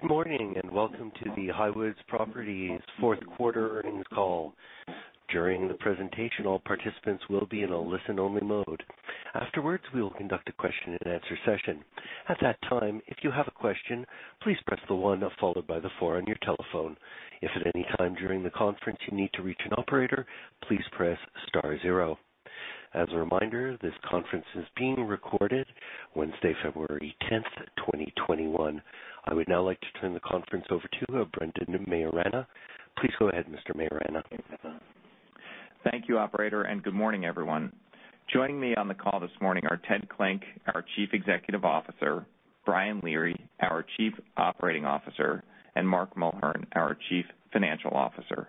Good morning, and welcome to the Highwoods Properties fourth quarter earnings call. During the presentation, all participants will be in a listen-only mode. Afterwards, we will conduct a question-and-answer session. At that time, if you have a question, please press the one followed by the four on your telephone. If at any time during the conference you need to reach an operator, please press star zero. As a reminder, this conference is being recorded Wednesday, February 10th, 2021. I would now like to turn the conference over to Brendan Maiorana. Please go ahead, Mr. Maiorana. Thank you, operator. Good morning, everyone. Joining me on the call this morning are Ted Klinck, our Chief Executive Officer, Brian Leary, our Chief Operating Officer, and Mark Mulhern, our Chief Financial Officer.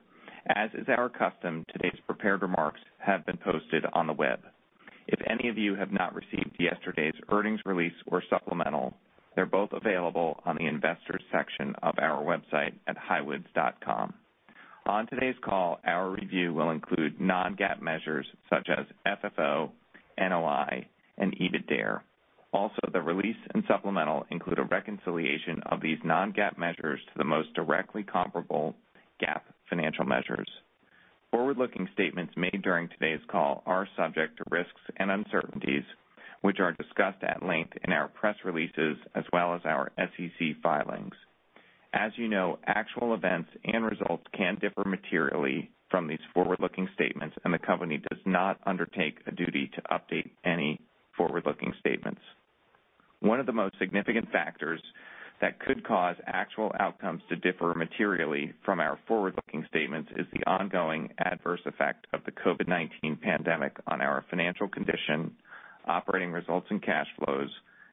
As is our custom, today's prepared remarks have been posted on the web. If any of you have not received yesterday's earnings release or supplemental, they're both available on the investors section of our website at highwoods.com. On today's call, our review will include non-GAAP measures such as FFO, NOI, and EBITDARE. The release and supplemental include a reconciliation of these non-GAAP measures to the most directly comparable GAAP financial measures. Forward-looking statements made during today's call are subject to risks and uncertainties, which are discussed at length in our press releases as well as our SEC filings. As you know, actual events and results can differ materially from these forward-looking statements, and the company does not undertake a duty to update any forward-looking statements. One of the most significant factors that could cause actual outcomes to differ materially from our forward-looking statements is the ongoing adverse effect of the COVID-19 pandemic on our financial condition, operating results and cash flows,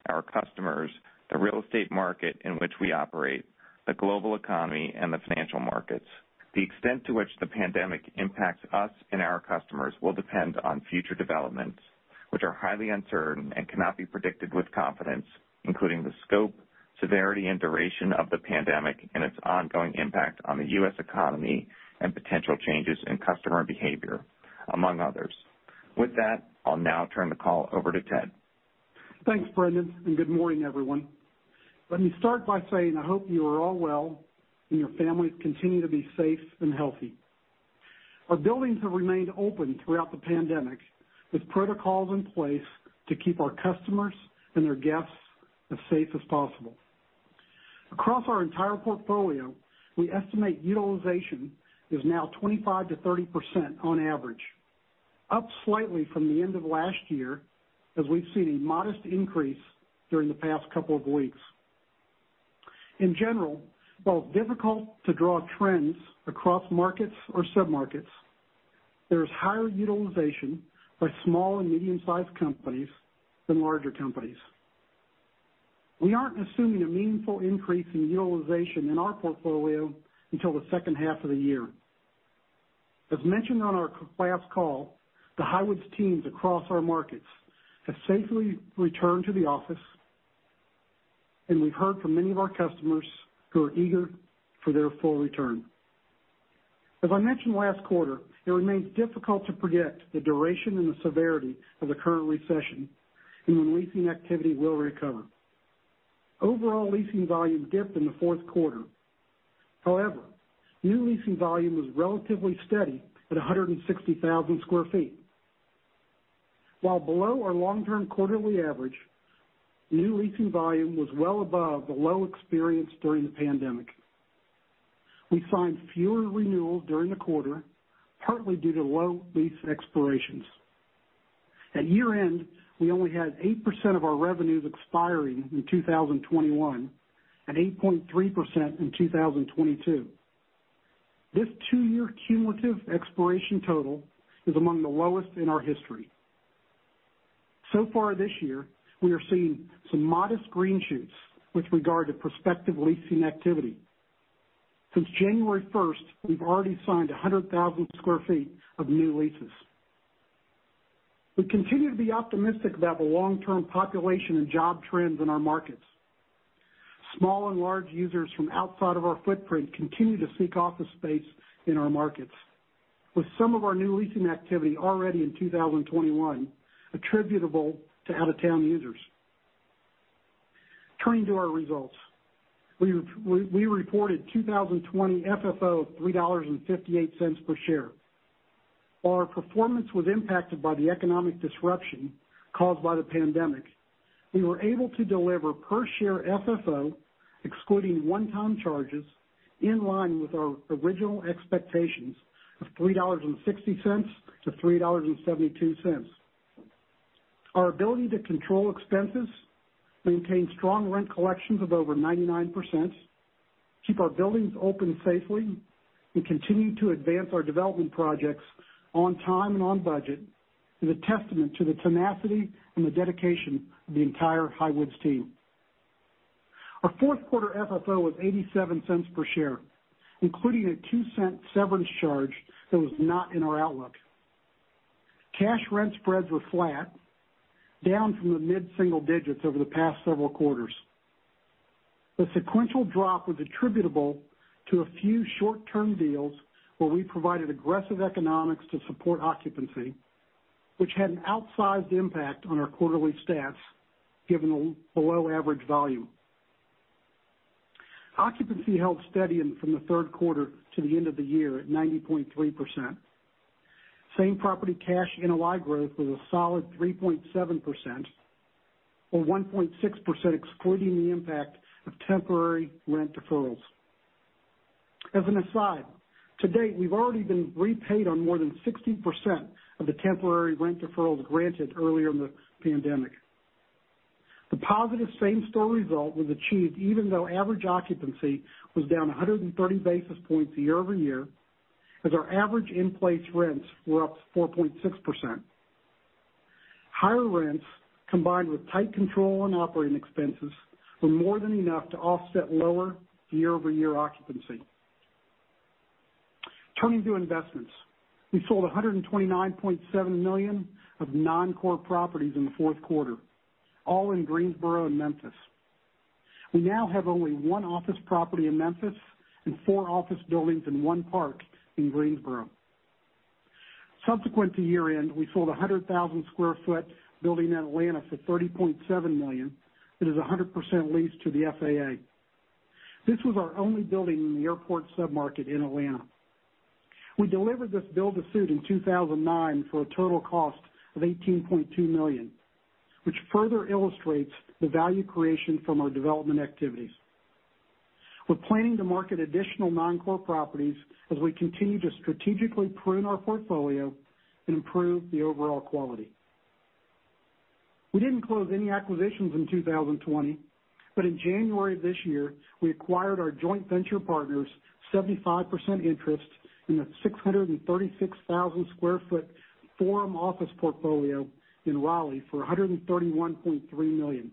our customers, the real estate market in which we operate, the global economy, and the financial markets. The extent to which the pandemic impacts us and our customers will depend on future developments, which are highly uncertain and cannot be predicted with confidence, including the scope, severity, and duration of the pandemic and its ongoing impact on the U.S. economy and potential changes in customer behavior, among others. With that, I'll now turn the call over to Ted. Thanks, Brendan. Good morning, everyone. Let me start by saying I hope you are all well and your families continue to be safe and healthy. Our buildings have remained open throughout the pandemic, with protocols in place to keep our customers and their guests as safe as possible. Across our entire portfolio, we estimate utilization is now 25%-30% on average, up slightly from the end of last year as we've seen a modest increase during the past couple of weeks. In general, while difficult to draw trends across markets or submarkets, there is higher utilization by small and medium-sized companies than larger companies. We aren't assuming a meaningful increase in utilization in our portfolio until the second half of the year. As mentioned on our last call, the Highwoods teams across our markets have safely returned to the office, and we've heard from many of our customers who are eager for their full return. As I mentioned last quarter, it remains difficult to predict the duration and the severity of the current recession and when leasing activity will recover. Overall leasing volume dipped in the fourth quarter. However, new leasing volume was relatively steady at 160,000 square feet. While below our long-term quarterly average, new leasing volume was well above the low experience during the pandemic. We signed fewer renewals during the quarter, partly due to low lease expirations. At year end, we only had 8% of our revenues expiring in 2021 and 8.3% in 2022. This two-year cumulative expiration total is among the lowest in our history. Far this year, we are seeing some modest green shoots with regard to prospective leasing activity. Since January 1st, we've already signed 100,000 square feet of new leases. We continue to be optimistic about the long-term population and job trends in our markets. Small and large users from outside of our footprint continue to seek office space in our markets, with some of our new leasing activity already in 2021 attributable to out-of-town users. Turning to our results. We reported 2020 FFO of $3.58 per share. While our performance was impacted by the economic disruption caused by the pandemic, we were able to deliver per share FFO, excluding one-time charges, in line with our original expectations of $3.60-$3.72. Our ability to control expenses, maintain strong rent collections of over 99%, keep our buildings open safely, and continue to advance our development projects on time and on budget is a testament to the tenacity and the dedication of the entire Highwoods team. Our fourth quarter FFO was $0.87 per share, including a $0.02 severance charge that was not in our outlook. Cash rent spreads were flat, down from the mid-single digits over the past several quarters. The sequential drop was attributable to a few short-term deals where we provided aggressive economics to support occupancy. Which had an outsized impact on our quarterly stats, given the below average value. Occupancy held steady from the third quarter to the end of the year at 90.3%. Same-property cash NOI growth was a solid 3.7%, or 1.6% excluding the impact of temporary rent deferrals. As an aside, to date, we've already been repaid on more than 60% of the temporary rent deferrals granted earlier in the pandemic. The positive same-store result was achieved even though average occupancy was down 130 basis points year-over-year, as our average in-place rents were up 4.6%. Higher rents, combined with tight control on operating expenses, were more than enough to offset lower year-over-year occupancy. Turning to investments. We sold $129.7 million of non-core properties in the fourth quarter, all in Greensboro and Memphis. We now have only one office property in Memphis and four office buildings in one park in Greensboro. Subsequent to year-end, we sold 100,000 sq ft building in Atlanta for $30.7 million that is 100% leased to the FAA. This was our only building in the airport sub-market in Atlanta. We delivered this build to suit in 2009 for a total cost of $18.2 million, which further illustrates the value creation from our development activities. We're planning to market additional non-core properties as we continue to strategically prune our portfolio and improve the overall quality. We didn't close any acquisitions in 2020, but in January of this year, we acquired our joint venture partners 75% interest in the 636,000 sq ft The Forum office portfolio in Raleigh for $131.3 million.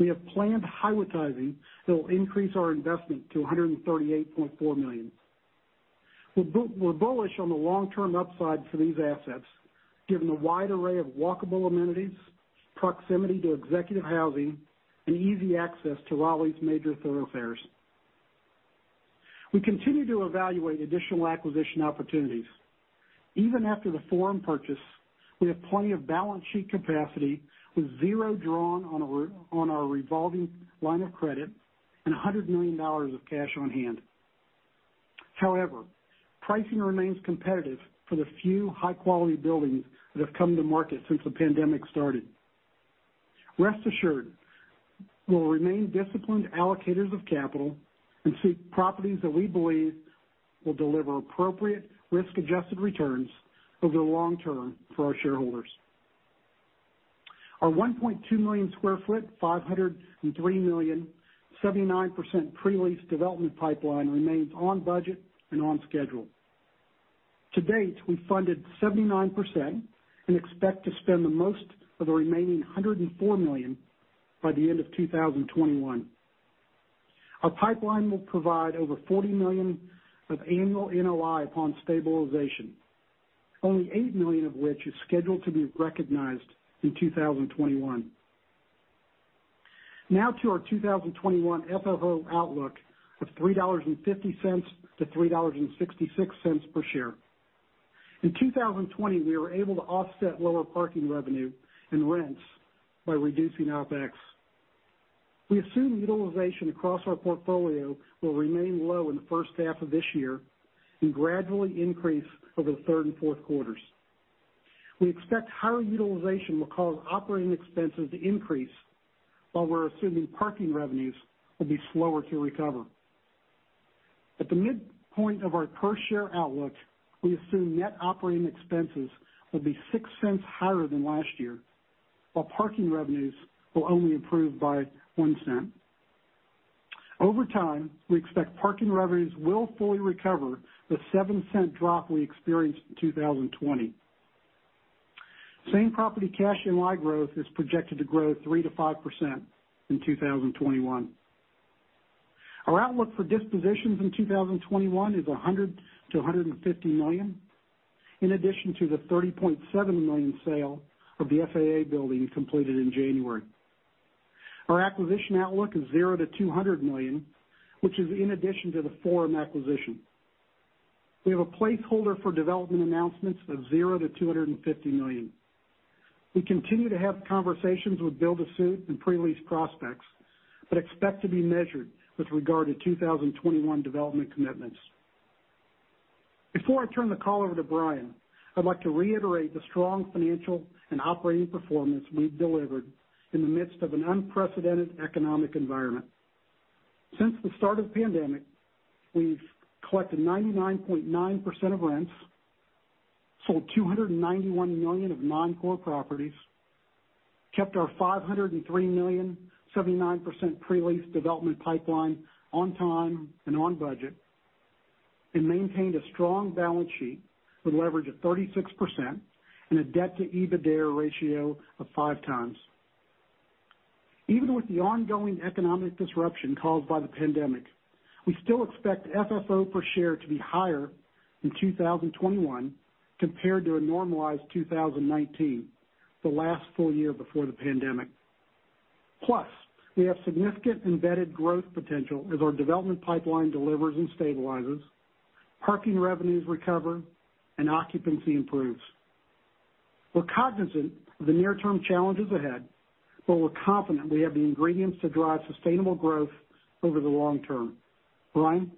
We have planned high-return tenant improvements that will increase our investment to $138.4 million. We're bullish on the long-term upside for these assets given the wide array of walkable amenities, proximity to executive housing, and easy access to Raleigh's major thoroughfares. We continue to evaluate additional acquisition opportunities. Even after The Forum purchase, we have plenty of balance sheet capacity with zero drawn on our revolving line of credit and $100 million of cash on hand. However, pricing remains competitive for the few high-quality buildings that have come to market since the pandemic started. Rest assured, we'll remain disciplined allocators of capital and seek properties that we believe will deliver appropriate risk-adjusted returns over the long term for our shareholders. Our 1.2 million sq ft, $503 million, 79% pre-leased development pipeline remains on budget and on schedule. To date, we funded 79% and expect to spend the most of the remaining $104 million by the end of 2021. Our pipeline will provide over $40 million of annual NOI upon stabilization. Only $8 million of which is scheduled to be recognized in 2021. Now to our 2021 FFO outlook of $3.50-$3.66 per share. In 2020, we were able to offset lower parking revenue and rents by reducing OPEX. We assume utilization across our portfolio will remain low in the first half of this year and gradually increase over the third and fourth quarters. We expect higher utilization will cause operating expenses to increase while we're assuming parking revenues will be slower to recover. At the midpoint of our per share outlook, we assume net operating expenses will be $0.06 higher than last year, while parking revenues will only improve by $0.01. Over time, we expect parking revenues will fully recover the $0.07 drop we experienced in 2020. Same-property cash NOI growth is projected to grow 3%-5% in 2021. Our outlook for dispositions in 2021 is $100 million-$150 million, in addition to the $30.7 million sale of the FAA building completed in January. Our acquisition outlook is zero to $200 million, which is in addition to The Forum acquisition. We have a placeholder for development announcements of zero to $250 million. We continue to have conversations with build to suit and pre-lease prospects but expect to be measured with regard to 2021 development commitments. Before I turn the call over to Brian, I'd like to reiterate the strong financial and operating performance we've delivered in the midst of an unprecedented economic environment. Since the start of the pandemic, we've collected 99.9% of rents, sold $291 million of non-core properties, kept our $503 million, 79% pre-leased development pipeline on time and on budget, and maintained a strong balance sheet with leverage of 36% and a debt to EBITDA ratio of five times. Even with the ongoing economic disruption caused by the pandemic, we still expect FFO per share to be higher in 2021 compared to a normalized 2019, the last full year before the pandemic. We have significant embedded growth potential as our development pipeline delivers and stabilizes, parking revenues recover, and occupancy improves. We're cognizant of the near-term challenges ahead, but we're confident we have the ingredients to drive sustainable growth over the long term. Brian?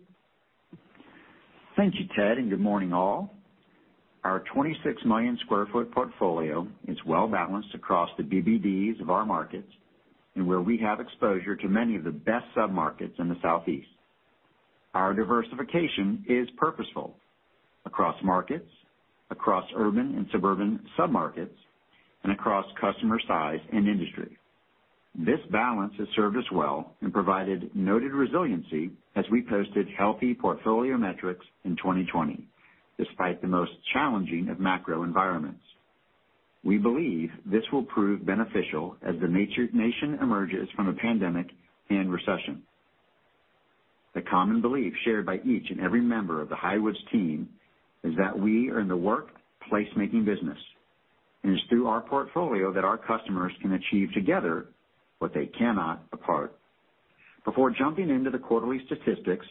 Thank you, Ted, and good morning all. Our 26 million sq ft portfolio is well-balanced across the BBDs of our markets and where we have exposure to many of the best submarkets in the Southeast. Our diversification is purposeful across markets, across urban and suburban submarkets, and across customer size and industry. This balance has served us well and provided noted resiliency as we posted healthy portfolio metrics in 2020, despite the most challenging of macro environments. We believe this will prove beneficial as the nation emerges from a pandemic and recession. The common belief shared by each and every member of the Highwoods team is that we are in the work placemaking business, and it's through our portfolio that our customers can achieve together what they cannot apart. Before jumping into the quarterly statistics,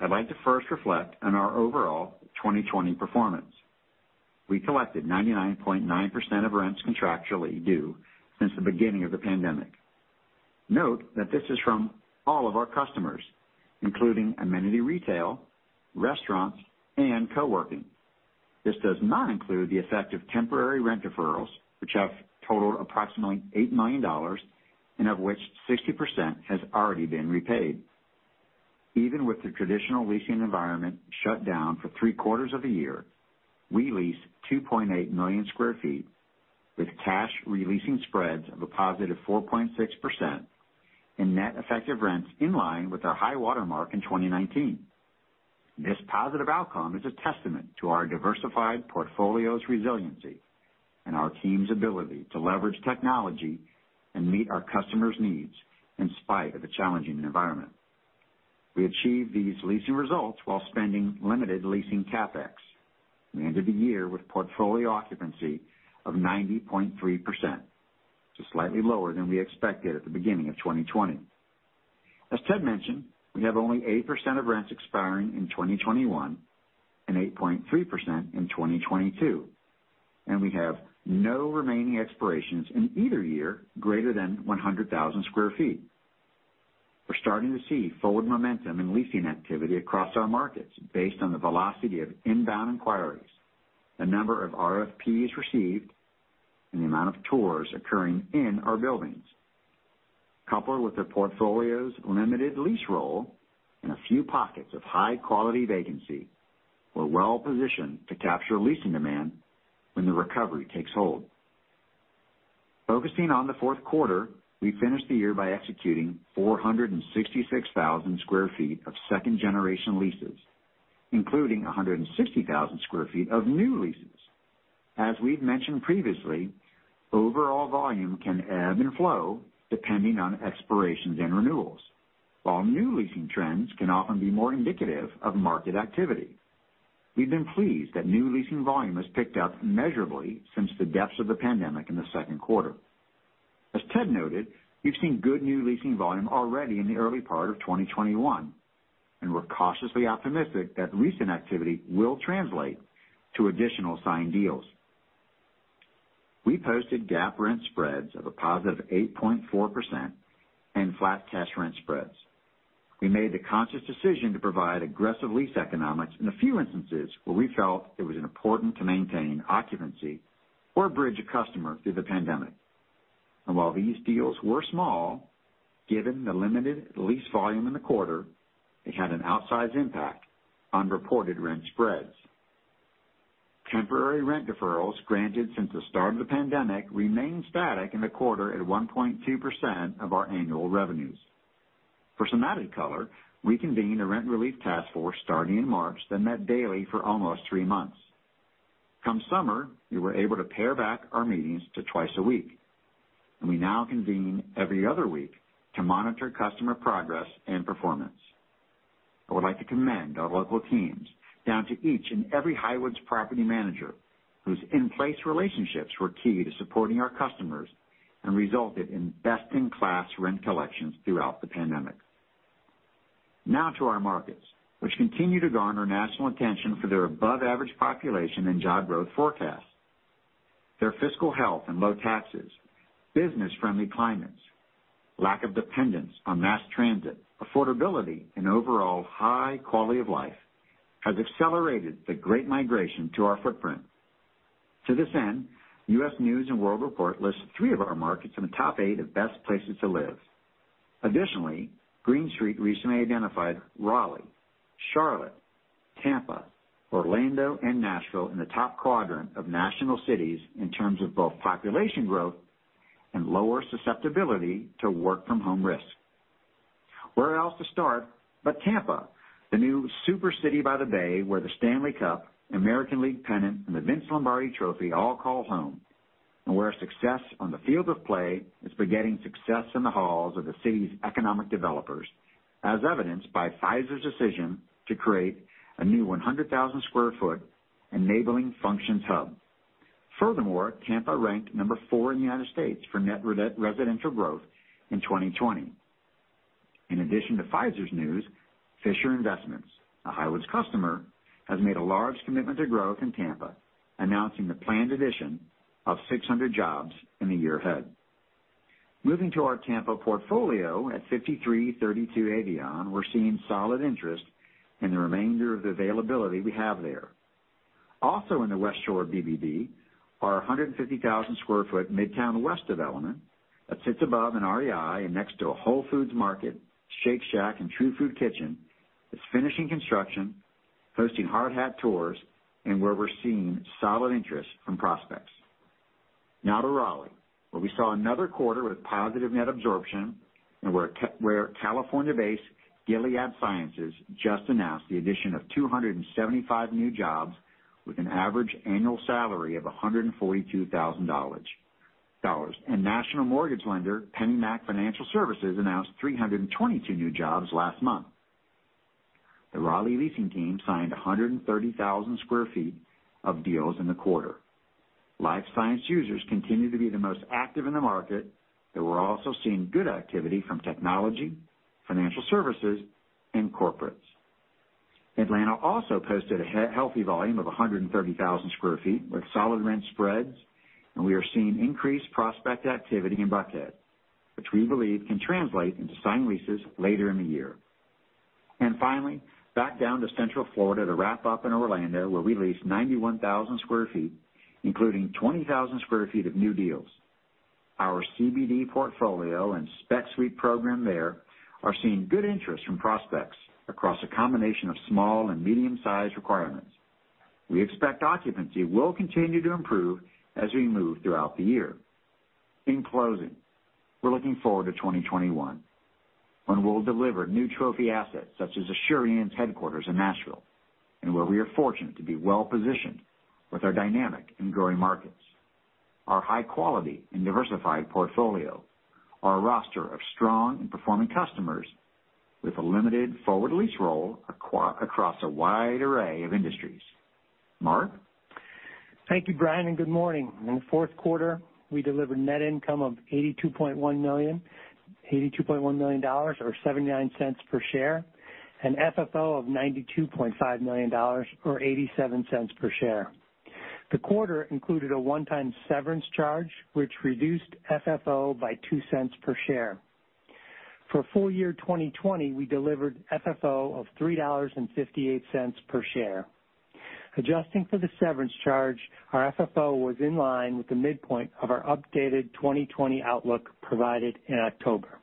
I'd like to first reflect on our overall 2020 performance. We collected 99.9% of rents contractually due since the beginning of the pandemic. Note that this is from all of our customers, including amenity retail, restaurants, and co-working. This does not include the effect of temporary rent deferrals, which have totaled approximately $8 million, and of which 60% has already been repaid. Even with the traditional leasing environment shut down for three quarters of the year, we leased 2.8 million sq ft with cash re-leasing spreads of a positive 4.6% and net effective rents in line with our high watermark in 2019. This positive outcome is a testament to our diversified portfolio's resiliency and our team's ability to leverage technology and meet our customers' needs in spite of a challenging environment. We achieved these leasing results while spending limited leasing CapEx. We ended the year with portfolio occupancy of 90.3%, just slightly lower than we expected at the beginning of 2020. As Ted mentioned, we have only 8% of rents expiring in 2021 and 8.3% in 2022, and we have no remaining expirations in either year greater than 100,000 sq ft. We're starting to see forward momentum in leasing activity across our markets based on the velocity of inbound inquiries, the number of RFPs received, and the amount of tours occurring in our buildings. Coupled with the portfolio's limited lease roll and a few pockets of high-quality vacancy, we're well positioned to capture leasing demand when the recovery takes hold. Focusing on the fourth quarter, we finished the year by executing 466,000 sq ft of second-generation leases, including 160,000 sq ft of new leases. As we've mentioned previously, overall volume can ebb and flow depending on expirations and renewals, while new leasing trends can often be more indicative of market activity. We've been pleased that new leasing volume has picked up measurably since the depths of the pandemic in the second quarter. As Ted noted, we've seen good new leasing volume already in the early part of 2021, and we're cautiously optimistic that leasing activity will translate to additional signed deals. We posted GAAP rent spreads of a positive 8.4% and flat cash rent spreads. We made the conscious decision to provide aggressive lease economics in a few instances where we felt it was important to maintain occupancy or bridge a customer through the pandemic. While these deals were small, given the limited lease volume in the quarter, they had an outsized impact on reported rent spreads. Temporary rent deferrals granted since the start of the pandemic remained static in the quarter at 1.2% of our annual revenues. For some added color, we convened a rent relief task force starting in March, then met daily for almost three months. Come summer, we were able to pare back our meetings to twice a week, and we now convene every other week to monitor customer progress and performance. I would like to commend our local teams, down to each and every Highwoods property manager, whose in-place relationships were key to supporting our customers and resulted in best-in-class rent collections throughout the pandemic. Now to our markets, which continue to garner national attention for their above-average population and job growth forecasts. Their fiscal health and low taxes, business-friendly climates, lack of dependence on mass transit, affordability, and overall high quality of life, has accelerated the great migration to our footprint. To this end, U.S. News & World Report lists three of our markets in the top eight of best places to live. Additionally, Green Street recently identified Raleigh, Charlotte, Tampa, Orlando, and Nashville in the top quadrant of national cities in terms of both population growth and lower susceptibility to work from home risk. Where else to start but Tampa, the new super city by the bay, where the Stanley Cup, American League pennant, and the Vince Lombardi trophy all call home. Where success on the field of play is begetting success in the halls of the city's economic developers, as evidenced by Pfizer's decision to create a new 100,000 sq ft enabling functions hub. Furthermore, Tampa ranked number four in the U.S. for net residential growth in 2020. In addition to Pfizer's news, Fisher Investments, a Highwoods customer, has made a large commitment to growth in Tampa, announcing the planned addition of 600 jobs in the year ahead. Moving to our Tampa portfolio at 5332 Avion, we're seeing solid interest in the remainder of the availability we have there. In the West Shore BBD, our 150,000 sq ft Midtown West development that sits above an REI and next to a Whole Foods Market, Shake Shack, and True Food Kitchen is finishing construction, hosting hard hat tours, and where we're seeing solid interest from prospects. To Raleigh, where we saw another quarter with positive net absorption and where California-based Gilead Sciences just announced the addition of 275 new jobs with an average annual salary of $142,000. National mortgage lender PennyMac Financial Services announced 322 new jobs last month. The Raleigh leasing team signed 130,000 square feet of deals in the quarter. Life science users continue to be the most active in the market. We're also seeing good activity from technology, financial services, and corporates. Atlanta also posted a healthy volume of 130,000 square feet with solid rent spreads. We are seeing increased prospect activity in Buckhead, which we believe can translate into signed leases later in the year. Finally, back down to central Florida to wrap up in Orlando, where we leased 91,000 square feet, including 20,000 square feet of new deals. Our CBD portfolio and spec suite program there are seeing good interest from prospects across a combination of small and medium-sized requirements. We expect occupancy will continue to improve as we move throughout the year. In closing, we're looking forward to 2021, when we'll deliver new trophy assets such as Asurion's headquarters in Nashville and where we are fortunate to be well-positioned with our dynamic and growing markets, our high quality and diversified portfolio, our roster of strong and performing customers with a limited forward lease roll across a wide array of industries. Mark? Thank you, Brian. Good morning. In the fourth quarter, we delivered net income of $82.1 million or $0.79 per share, and FFO of $92.5 million or $0.87 per share. The quarter included a one-time severance charge, which reduced FFO by $0.02 per share. For full year 2020, we delivered FFO of $3.58 per share. Adjusting for the severance charge, our FFO was in line with the midpoint of our updated 2020 outlook provided in October.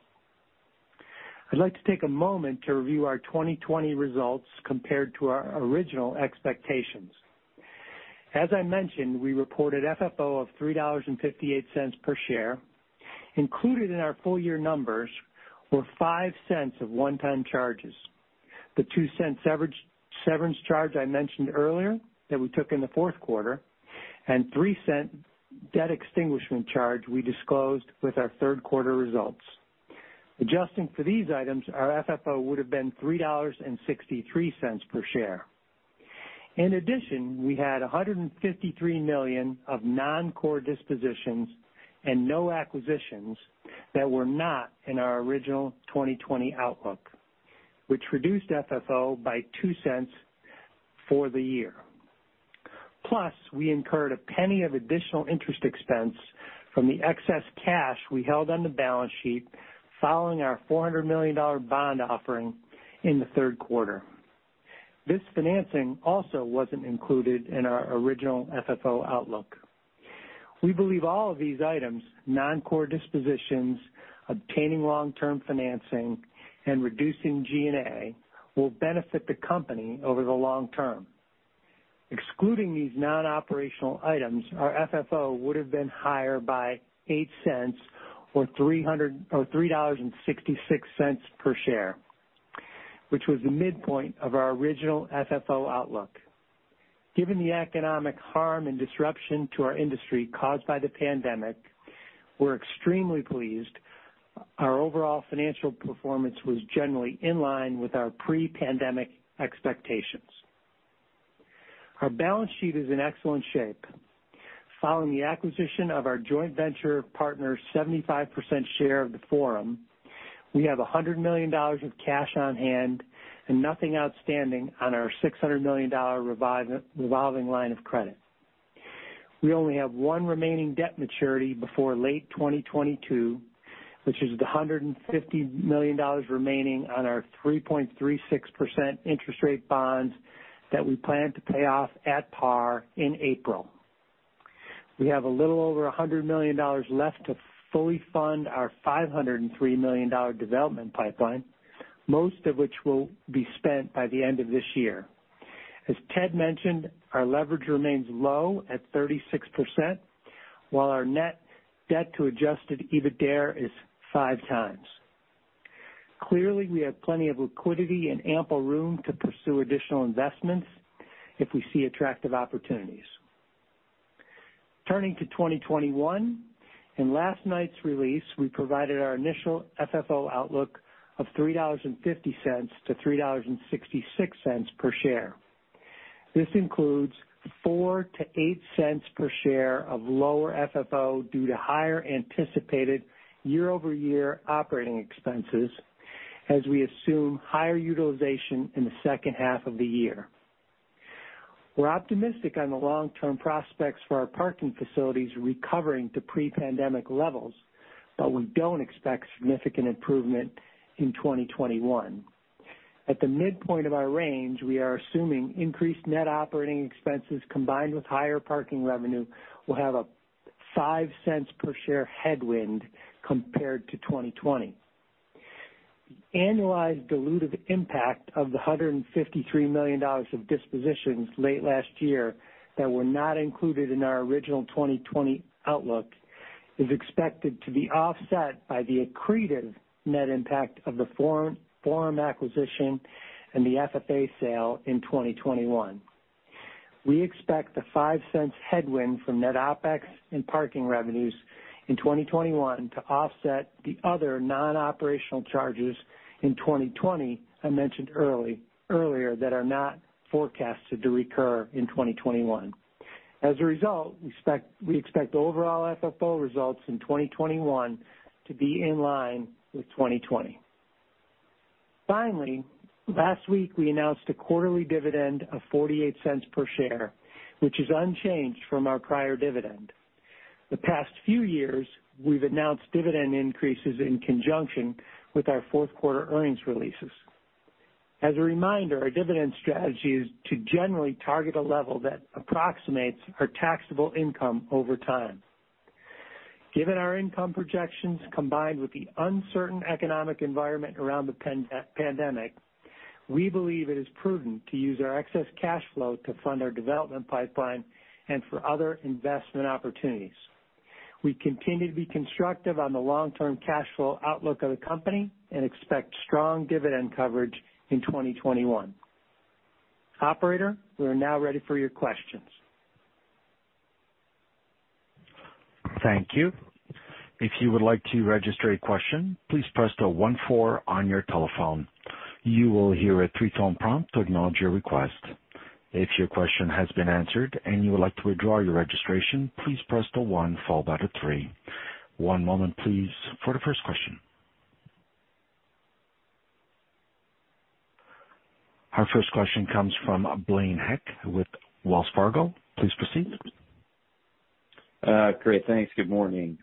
I'd like to take a moment to review our 2020 results compared to our original expectations. As I mentioned, we reported FFO of $3.58 per share. Included in our full year numbers were $0.05 of one-time charges. The $0.02 severance charge I mentioned earlier that we took in the fourth quarter and $0.03 debt extinguishment charge we disclosed with our third quarter results. Adjusting for these items, our FFO would have been $3.63 per share. In addition, we had $153 million of non-core dispositions and no acquisitions that were not in our original 2020 outlook, which reduced FFO by $0.02 for the year. We incurred a $0.01 of additional interest expense from the excess cash we held on the balance sheet following our $400 million bond offering in the third quarter. This financing also wasn't included in our original FFO outlook. We believe all of these items, non-core dispositions, obtaining long-term financing, and reducing G&A, will benefit the company over the long term. Excluding these non-operational items, our FFO would have been higher by $0.08 or $3.66 per share, which was the midpoint of our original FFO outlook. Given the economic harm and disruption to our industry caused by the pandemic, we're extremely pleased our overall financial performance was generally in line with our pre-pandemic expectations. Our balance sheet is in excellent shape. Following the acquisition of our joint venture partner's 75% share of The Forum, we have $100 million of cash on hand and nothing outstanding on our $600 million revolving line of credit. We only have one remaining debt maturity before late 2022, which is the $150 million remaining on our 3.36% interest rate bonds that we plan to pay off at par in April. We have a little over $100 million left to fully fund our $503 million development pipeline, most of which will be spent by the end of this year. As Ted mentioned, our leverage remains low at 36%, while our net debt to adjusted EBITDA is five times. Clearly, we have plenty of liquidity and ample room to pursue additional investments if we see attractive opportunities. Turning to 2021. In last night's release, we provided our initial FFO outlook of $3.50-$3.66 per share. This includes $0.04 to $0.08 per share of lower FFO due to higher anticipated year-over-year operating expenses as we assume higher utilization in the second half of the year. We're optimistic on the long-term prospects for our parking facilities recovering to pre-pandemic levels, but we don't expect significant improvement in 2021. At the midpoint of our range, we are assuming increased net operating expenses combined with higher parking revenue will have a $0.05 per share headwind compared to 2020. The annualized diluted impact of the $153 million of dispositions late last year that were not included in our original 2020 outlook is expected to be offset by the accretive net impact of the Forum acquisition and the FAA sale in 2021. We expect the $0.05 headwind from net OpEx and parking revenues in 2021 to offset the other non-operational charges in 2020 I mentioned earlier that are not forecasted to recur in 2021. As a result, we expect overall FFO results in 2021 to be in line with 2020. Finally, last week we announced a quarterly dividend of $0.48 per share, which is unchanged from our prior dividend. The past few years, we've announced dividend increases in conjunction with our fourth quarter earnings releases. As a reminder, our dividend strategy is to generally target a level that approximates our taxable income over time. Given our income projections, combined with the uncertain economic environment around the pandemic, we believe it is prudent to use our excess cash flow to fund our development pipeline and for other investment opportunities. We continue to be constructive on the long-term cash flow outlook of the company and expect strong dividend coverage in 2021. Operator, we are now ready for your questions. Our first question comes from Blaine Heck with Wells Fargo. Please proceed. Great. Thanks. Good morning.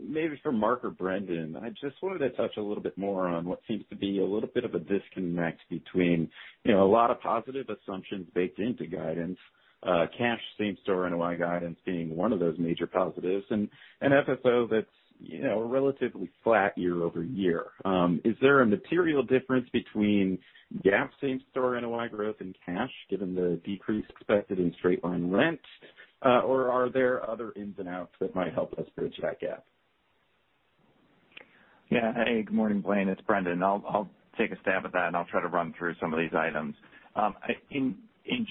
Maybe for Mark or Brendan, I just wanted to touch a little bit more on what seems to be a little bit of a disconnect between a lot of positive assumptions baked into guidance, cash same-store NOI guidance being one of those major positives, and an FFO that's relatively flat year-over-year. Is there a material difference between GAAP same-store NOI growth and cash given the decrease expected in straight-line rent? Or are there other ins and outs that might help us bridge that gap? Hey, good morning, Blaine, it's Brendan. I'll take a stab at that, I'll try to run through some of these items. In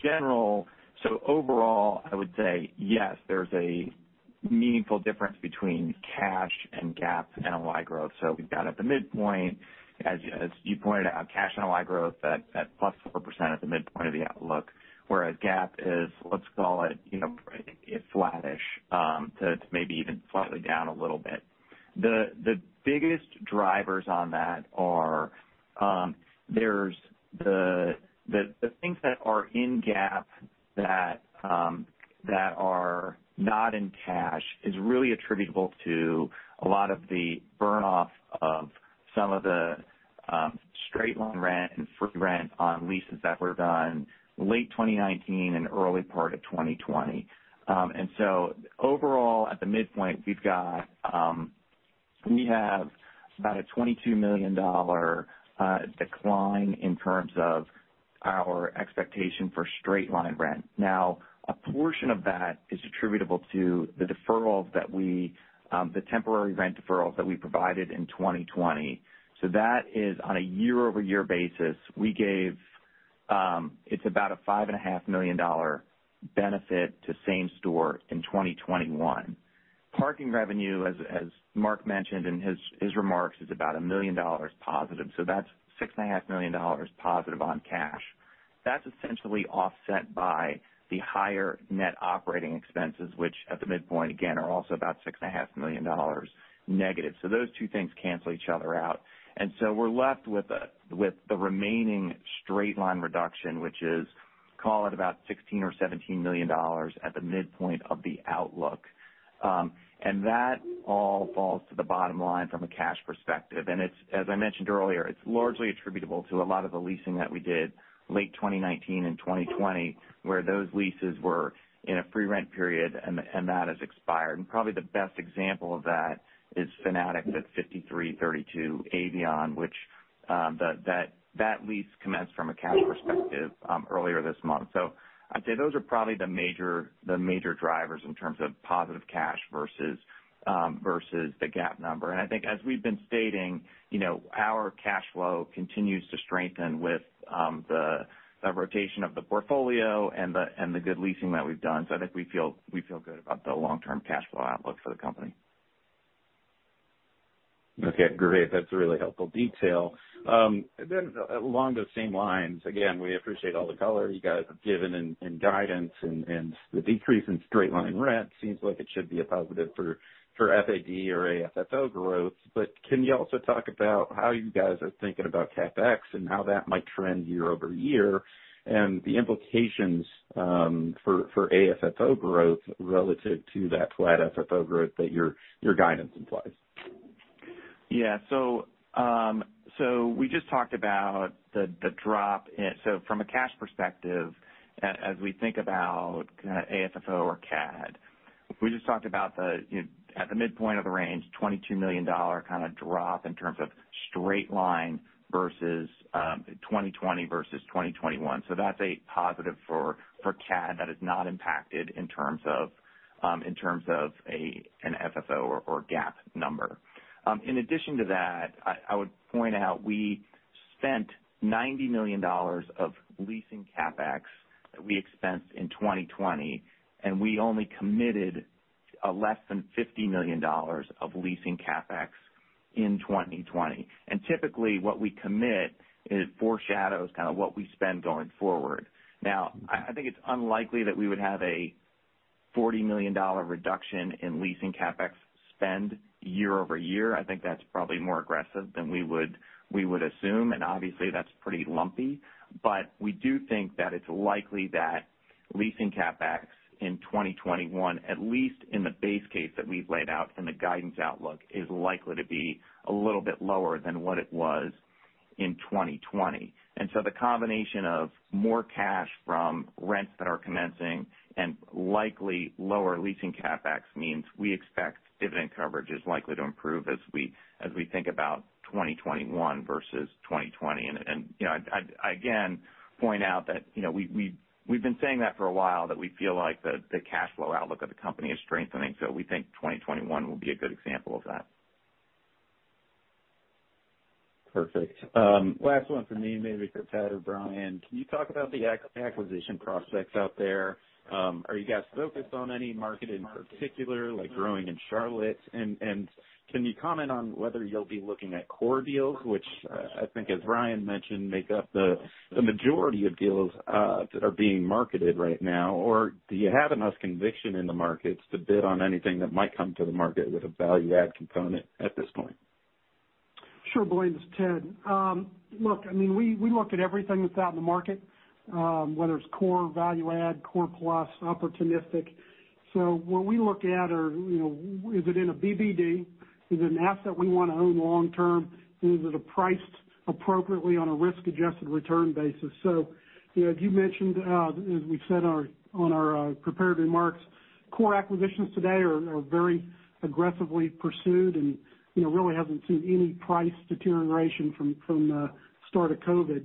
general, overall, I would say yes, there's a meaningful difference between cash and GAAP NOI growth. We've got at the midpoint, as you pointed out, cash NOI growth at +4% at the midpoint of the outlook, whereas GAAP is, let's call it, I think it's flattish to maybe even slightly down a little bit. The biggest drivers on that are the things that are in GAAP that are not in cash is really attributable to a lot of the burn-off of some of the straight-line rent and free rent on leases that were done late 2019 and early part of 2020. Overall, at the midpoint, we have about a $22 million decline in terms of our expectation for straight-line rent. Now, a portion of that is attributable to the temporary rent deferrals that we provided in 2020. That is on a year-over-year basis. It's about a $5.5 million benefit to same store in 2021. Parking revenue, as Mark mentioned in his remarks, is about a $1 million positive. That's $6.5 million positive on cash. That's essentially offset by the higher net operating expenses, which at the midpoint, again, are also about $6.5 million negative. Those two things cancel each other out. We're left with the remaining straight-line reduction, which is, call it about $16 million or $17 million at the midpoint of the outlook. That all falls to the bottom line from a cash perspective. As I mentioned earlier, it's largely attributable to a lot of the leasing that we did late 2019 and 2020, where those leases were in a free rent period, and that has expired. Probably the best example of that is Fanatics at 5332 Avion. That lease commenced from a cash perspective earlier this month. I'd say those are probably the major drivers in terms of positive cash versus the GAAP number. I think as we've been stating, our cash flow continues to strengthen with the rotation of the portfolio and the good leasing that we've done. I think we feel good about the long-term cash flow outlook for the company. Okay, great. That's a really helpful detail. Along those same lines, again, we appreciate all the color you guys have given and guidance and the decrease in straight line rent seems like it should be a positive for FAD or AFFO growth. Can you also talk about how you guys are thinking about CapEx and how that might trend year-over-year and the implications for AFFO growth relative to that flat FFO growth that your guidance implies? Yeah. We just talked about the drop. From a cash perspective, as we think about kind of AFFO or CAD, we just talked about at the midpoint of the range, $22 million kind of drop in terms of straight line versus 2020 versus 2021. That's a positive for CAD that is not impacted in terms of an FFO or GAAP number. In addition to that, I would point out we spent $90 million of leasing CapEx that we expensed in 2020, and we only committed less than $50 million of leasing CapEx in 2020. Typically, what we commit foreshadows kind of what we spend going forward. Now, I think it's unlikely that we would have a $40 million reduction in leasing CapEx spend year-over-year. I think that's probably more aggressive than we would assume, and obviously that's pretty lumpy. We do think that it's likely that leasing CapEx in 2021, at least in the base case that we've laid out in the guidance outlook, is likely to be a little bit lower than what it was in 2020. The combination of more cash from rents that are commencing and likely lower leasing CapEx means we expect dividend coverage is likely to improve as we think about 2021 versus 2020. I, again, point out that we've been saying that for a while, that we feel like the cash flow outlook of the company is strengthening. We think 2021 will be a good example of that. Perfect. Last one from me, maybe for Ted or Brian. Can you talk about the acquisition prospects out there? Are you guys focused on any market in particular, like growing in Charlotte? Can you comment on whether you'll be looking at core deals, which I think, as Brian mentioned, make up the majority of deals that are being marketed right now, or do you have enough conviction in the markets to bid on anything that might come to the market with a value add component at this point? Sure, Blaine. This is Ted. Look, we look at everything that's out in the market, whether it's core value add, core plus, opportunistic. What we look at are, is it in a BBD? Is it an asset we want to own long term? Is it priced appropriately on a risk-adjusted return basis? As you mentioned, as we've said on our prepared remarks, core acquisitions today are very aggressively pursued and really haven't seen any price deterioration from the start of COVID.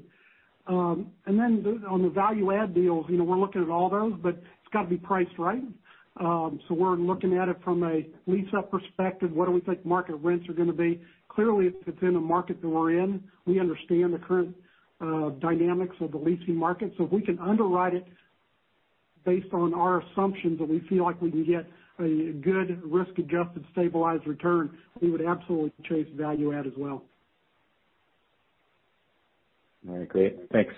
On the value add deals, we're looking at all those, but it's got to be priced right. We're looking at it from a lease-up perspective. What do we think market rents are going to be? Clearly, if it's in a market that we're in, we understand the current dynamics of the leasing market. If we can underwrite it based on our assumptions that we feel like we can get a good risk-adjusted, stabilized return, we would absolutely chase value add as well. All right, great. Thanks.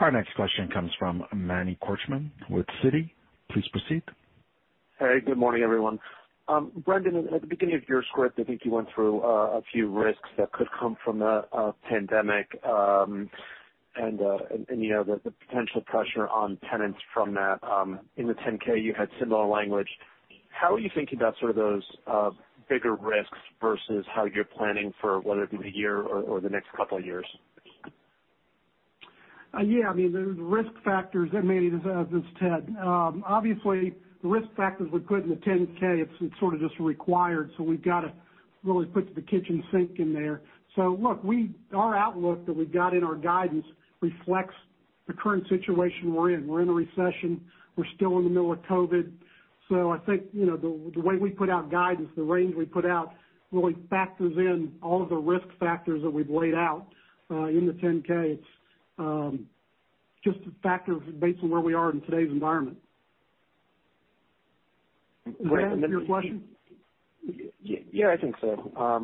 Our next question comes from Manny Korchman with Citi. Please proceed. Hey, good morning, everyone. Brendan, at the beginning of your script, I think you went through a few risks that could come from the pandemic, and the potential pressure on tenants from that. In the 10-K, you had similar language. How are you thinking about sort of those bigger risks versus how you're planning for whether it be the year or the next couple of years? The risk factors, Manny, this is Ted. Obviously, the risk factors we put in the 10-K, it's sort of just required. We've got to really put the kitchen sink in there. Look, our outlook that we've got in our guidance reflects the current situation we're in. We're in a recession. We're still in the middle of COVID-19. I think, the way we put out guidance, the range we put out really factors in all of the risk factors that we've laid out in the 10-K. It just factors based on where we are in today's environment. Was that your question? Yeah, I think so.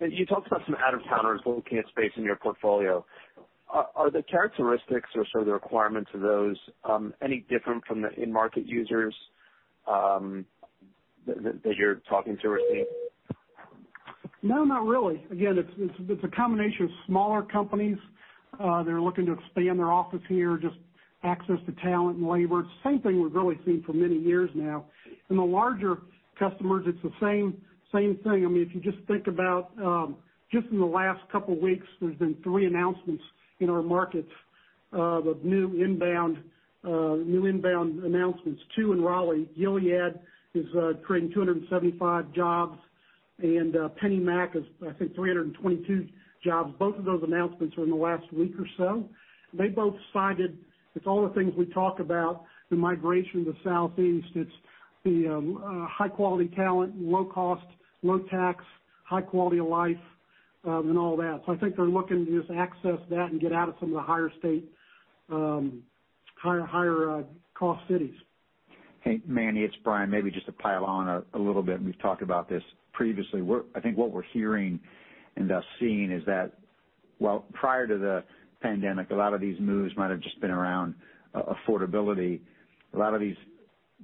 You talked about some out-of-towners looking at space in your portfolio. Are the characteristics or sort of the requirements of those any different from the in-market users that you're talking to or seeing? No, not really. Again, it's a combination of smaller companies that are looking to expand their office here, just access to talent and labor. It's the same thing we've really seen for many years now. The larger customers, it's the same thing. If you just think about just in the last couple of weeks, there's been three announcements in our markets of new inbound announcements, two in Raleigh. Gilead is creating 275 jobs, and PennyMac is, I think, 322 jobs. Both of those announcements were in the last week or so. They both cited it's all the things we talk about, the migration to the Southeast. It's the high-quality talent, low cost, low tax, high quality of life, all that. I think they're looking to just access that and get out of some of the higher cost cities. Hey, Manny, it's Brian. Maybe just to pile on a little bit, We've talked about this previously. I think what we're hearing and thus seeing is that while prior to the pandemic, a lot of these moves might have just been around affordability. A lot of these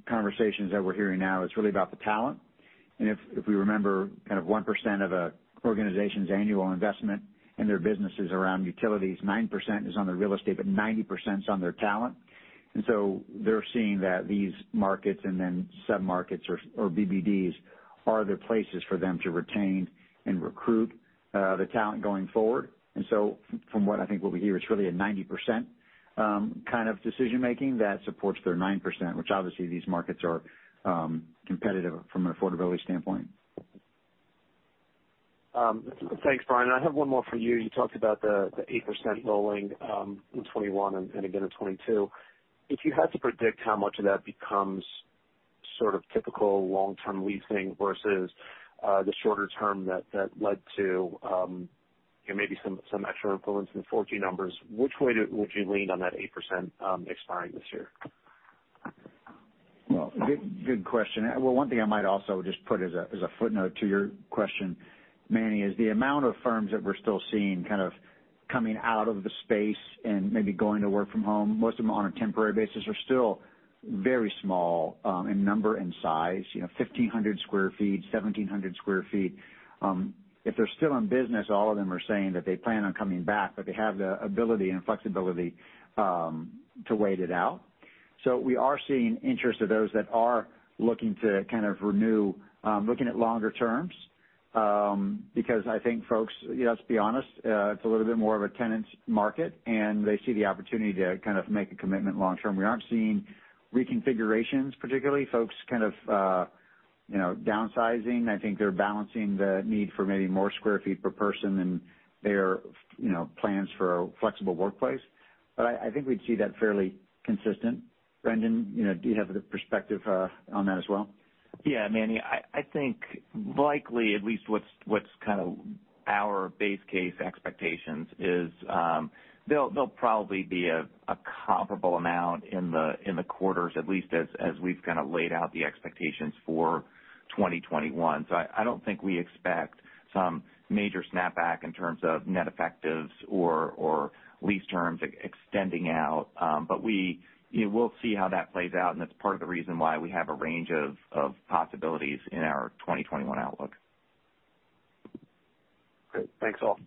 conversations that we're hearing now is really about the talent. If we remember 1% of an organization's annual investment in their business is around utilities, 9% is on their real estate, 90% is on their talent. They're seeing that these markets and then sub-markets or CBDs are the places for them to retain and recruit the talent going forward. From what I think what we hear, it's really a 90% kind of decision-making that supports their 9%, which obviously these markets are competitive from an affordability standpoint. Thanks, Brian. I have one more for you. You talked about the 8% rolling in 2021 and again in 2022. If you had to predict how much of that becomes sort of typical long-term leasing versus the shorter term that led to maybe some extra influence in the 14 numbers. Which way would you lean on that 8% expiring this year? Well, good question. Well, one thing I might also just put as a footnote to your question, Manny, is the amount of firms that we're still seeing kind of coming out of the space and maybe going to work from home, most of them on a temporary basis, are still very small in number and size, 1,500 sq ft, 1,700 sq ft. If they're still in business, all of them are saying that they plan on coming back, but they have the ability and flexibility to wait it out. We are seeing interest of those that are looking to kind of renew, looking at longer terms, because I think folks, let's be honest, it's a little bit more of a tenant's market, and they see the opportunity to kind of make a commitment long-term. We aren't seeing reconfigurations, particularly folks kind of downsizing. I think they're balancing the need for maybe more square feet per person and their plans for a flexible workplace. I think we'd see that fairly consistent. Brendan, do you have a perspective on that as well? Yeah, Manny, I think likely at least what's kind of our base case expectations is they'll probably be a comparable amount in the quarters, at least as we've kind of laid out the expectations for 2021. I don't think we expect some major snapback in terms of net effectives or lease terms extending out. We'll see how that plays out, and that's part of the reason why we have a range of possibilities in our 2021 outlook. Great. Thanks all.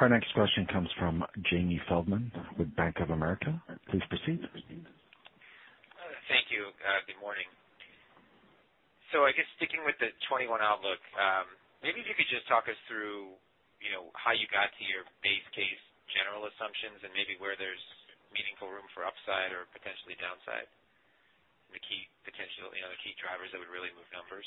Our next question comes from Jamie Feldman with Bank of America. Please proceed. Thank you. Good morning. I guess sticking with the 2021 outlook, maybe if you could just talk us through how you got to your base case general assumptions and maybe where there's meaningful room for upside or potentially downside, the key drivers that would really move numbers.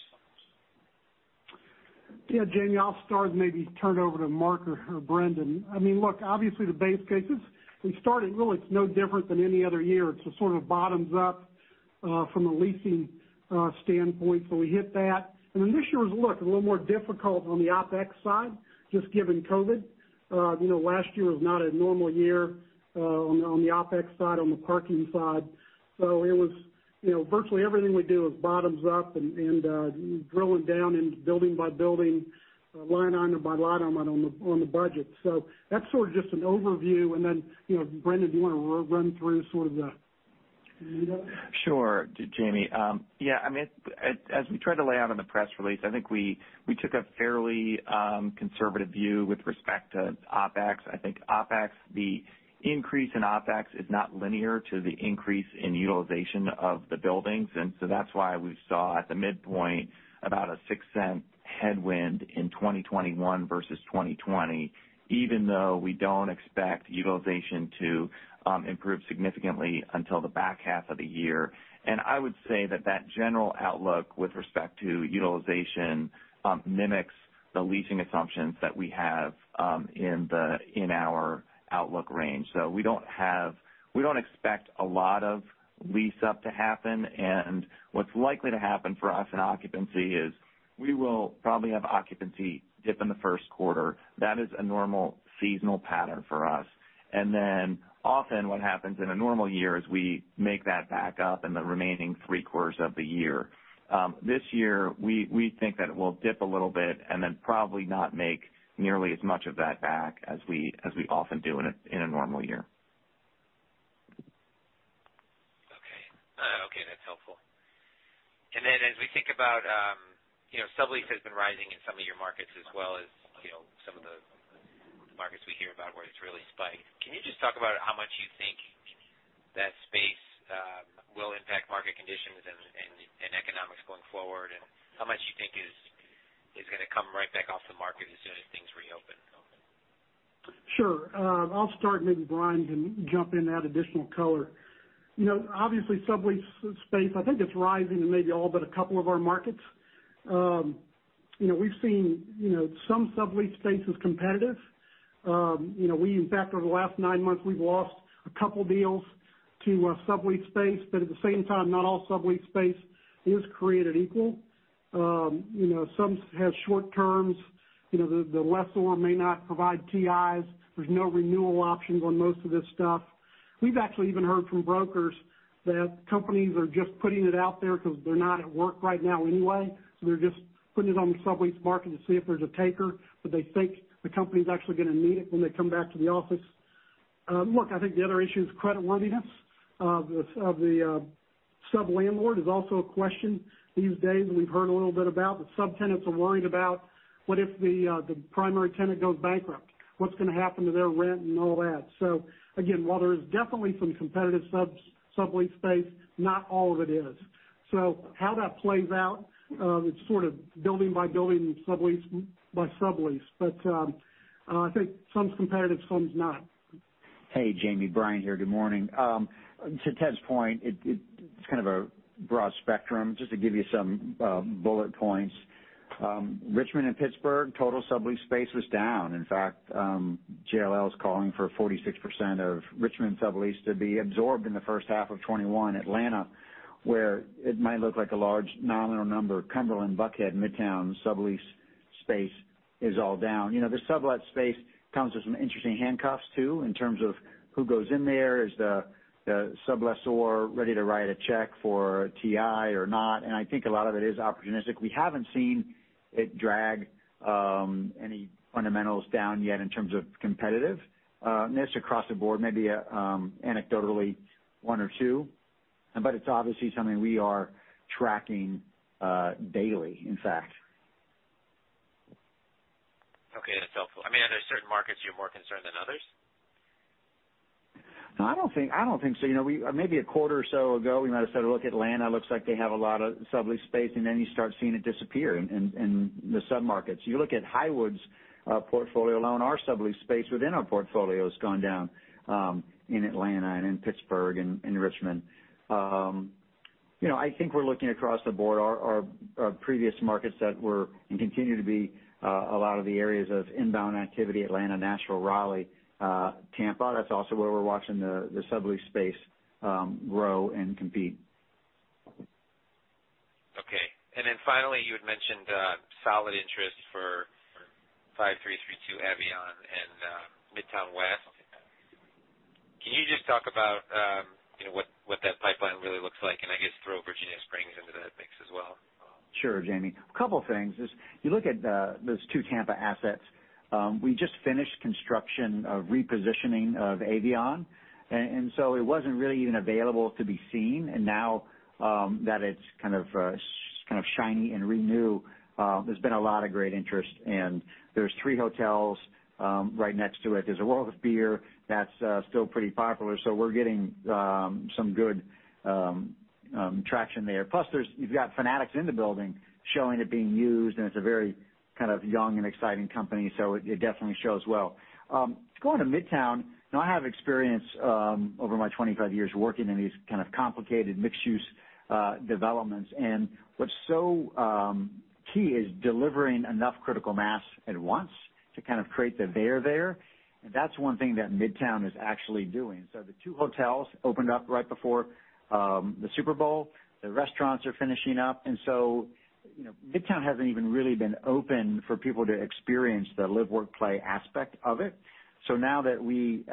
Yeah, Jamie, I'll start and maybe turn over to Mark or Brendan. Look, obviously the base case is we start at really it's no different than any other year. It's a sort of bottoms up from a leasing standpoint. We hit that. This year was, look, a little more difficult on the OPEX side, just given COVID. Last year was not a normal year on the OPEX side, on the parking side. It was virtually everything we do is bottoms up and drilling down and building by building, line item by line item on the budget. That's sort of just an overview. Brendan, do you want to run through sort of the nitty-gritty? Sure, Jamie. As we tried to lay out in the press release, I think we took a fairly conservative view with respect to OpEx. I think the increase in OpEx is not linear to the increase in utilization of the buildings. That's why we saw at the midpoint about a $0.06 headwind in 2021 versus 2020, even though we don't expect utilization to improve significantly until the back half of the year. I would say that that general outlook with respect to utilization mimics the leasing assumptions that we have in our outlook range. We don't expect a lot of lease up to happen, and what's likely to happen for us in occupancy is we will probably have occupancy dip in the first quarter. That is a normal seasonal pattern for us. Often what happens in a normal year is we make that back up in the remaining three quarters of the year. This year, we think that it will dip a little bit and then probably not make nearly as much of that back as we often do in a normal year. Okay. That's helpful. As we think about sublease has been rising in some of your markets as well as some of the markets we hear about where it's really spiked. Can you just talk about how much you think that space will impact market conditions and economics going forward, and how much you think is going to come right back off the market as soon as things reopen? Sure. I'll start, maybe Brian can jump in, add additional color. Obviously sublease space, I think it's rising in maybe all but a couple of our markets. We've seen some sublease space is competitive. In fact, over the last nine months, we've lost a couple deals to a sublease space. At the same time, not all sublease space is created equal. Some have short terms. The lessor may not provide TIs. There's no renewal options on most of this stuff. We've actually even heard from brokers that companies are just putting it out there because they're not at work right now anyway. They're just putting it on the sublease market to see if there's a taker. They think the company's actually going to need it when they come back to the office. Look, I think the other issue is creditworthiness of the sublandlord is also a question these days, and we've heard a little bit about the subtenants are worried about what if the primary tenant goes bankrupt, what's going to happen to their rent and all that. Again, while there is definitely some competitive sublease space, not all of it is. How that plays out, it's sort of building by building, sublease by sublease. I think some's competitive, some's not. Hey, Jamie. Brian here. Good morning. To Ted's point, it's kind of a broad spectrum. Just to give you some bullet points. Richmond and Pittsburgh, total sublease space was down. In fact, JLL is calling for 46% of Richmond sublease to be absorbed in the first half of 2021. Atlanta, where it might look like a large nominal number, Cumberland, Buckhead, Midtown sublease space is all down. The sublet space comes with some interesting handcuffs, too, in terms of who goes in there. Is the sublessor ready to write a check for TI or not? I think a lot of it is opportunistic. We haven't seen it drag any fundamentals down yet in terms of competitiveness across the board. Maybe anecdotally one or two. It's obviously something we are tracking daily, in fact. Okay, that's helpful. Are there certain markets you're more concerned than others? No, I don't think so. Maybe a quarter or so ago, we might have said, look, Atlanta looks like they have a lot of sublease space, and then you start seeing it disappear in the submarkets. You look at Highwoods' portfolio alone, our sublease space within our portfolio has gone down in Atlanta and in Pittsburgh and in Richmond. I think we're looking across the board. Our previous markets that were, and continue to be, a lot of the areas of inbound activity, Atlanta, Nashville, Raleigh, Tampa, that's also where we're watching the sublease space grow and compete. Okay. Finally, you had mentioned solid interest for 5332 Avion and Midtown West. Can you just talk about what that pipeline really looks like? I guess throw Virginia Springs into that mix as well. Sure, Jamie. A couple things as you look at those two Tampa assets. We just finished construction of repositioning of Avion, it wasn't really even available to be seen. Now that it's kind of shiny and new, there's been a lot of great interest, and there's three hotels right next to it. There's a World of Beer that's still pretty popular, we're getting some good traction there. Plus you've got Fanatics in the building showing it being used, and it's a very kind of young and exciting company, it definitely shows well. Going to Midtown, I have experience over my 25 years working in these kind of complicated mixed-use developments. What's so key is delivering enough critical mass at once to kind of create the there there. That's one thing that Midtown is actually doing. The two hotels opened up right before the Super Bowl. The restaurants are finishing up, Midtown hasn't even really been open for people to experience the live, work, play aspect of it. Now that we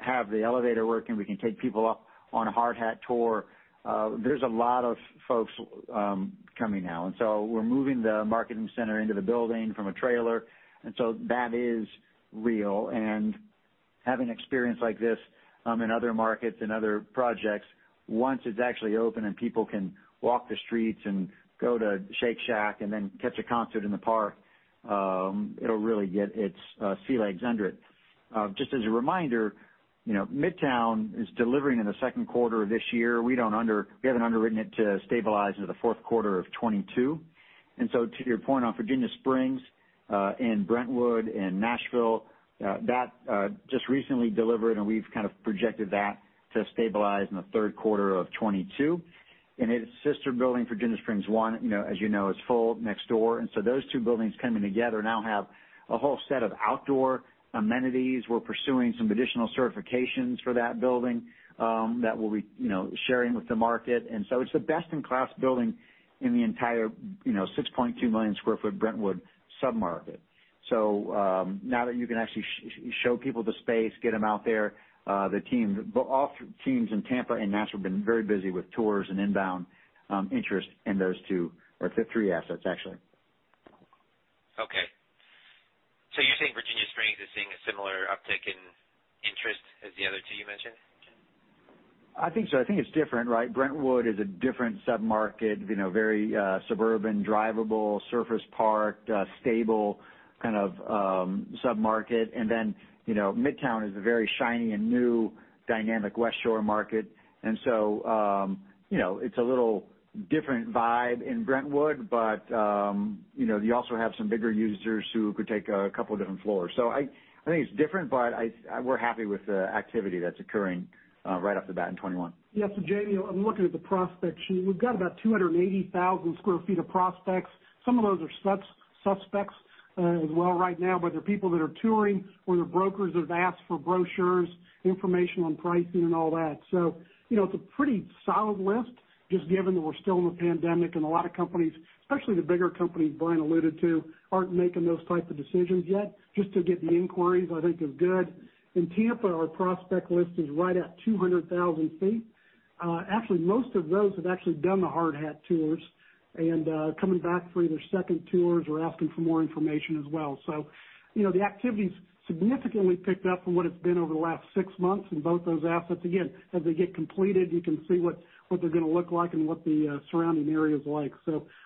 have the elevator working, we can take people up on a hard hat tour. There's a lot of folks coming now, we're moving the marketing center into the building from a trailer. That is real. Having experience like this in other markets and other projects, once it's actually open and people can walk the streets and go to Shake Shack and then catch a concert in the park, it'll really get its sea legs under it. Just as a reminder, Midtown is delivering in the 2nd quarter of this year. We haven't underwritten it to stabilize until the 4th quarter of 2022. To your point on Virginia Springs and Brentwood and Nashville, that just recently delivered, and we've kind of projected that to stabilize in the third quarter of 2022. Its sister building, Virginia Springs 1, as you know, is full next door. Those two buildings coming together now have a whole set of outdoor amenities. We're pursuing some additional certifications for that building that we'll be sharing with the market. It's the best-in-class building in the entire 6.2 million sq ft Brentwood submarket. Now that you can actually show people the space, get them out there, all teams in Tampa and Nashville have been very busy with tours and inbound interest in those two or three assets, actually. Okay. You're saying Virginia Springs is seeing a similar uptick in interest as the other two you mentioned? I think so. I think it's different, right? Brentwood is a different submarket, very suburban, drivable, surface parked, stable kind of submarket. Midtown is a very shiny and new dynamic Westshore market. It's a little different vibe in Brentwood. You also have some bigger users who could take a couple different floors. I think it's different, but we're happy with the activity that's occurring right off the bat in 2021. Yeah. Jamie, I'm looking at the prospect sheet. We've got about 280,000 square feet of prospects. Some of those are suspects as well right now. They're people that are touring, or their brokers have asked for brochures, information on pricing and all that. It's a pretty solid list, just given that we're still in the pandemic and a lot of companies, especially the bigger companies Brian alluded to, aren't making those type of decisions yet. Just to get the inquiries, I think is good. In Tampa, our prospect list is right at 200,000 feet. Actually, most of those have actually done the hard hat tours and coming back for either second tours or asking for more information as well. The activity's significantly picked up from what it's been over the last six months in both those assets. As they get completed, you can see what they're going to look like and what the surrounding area's like.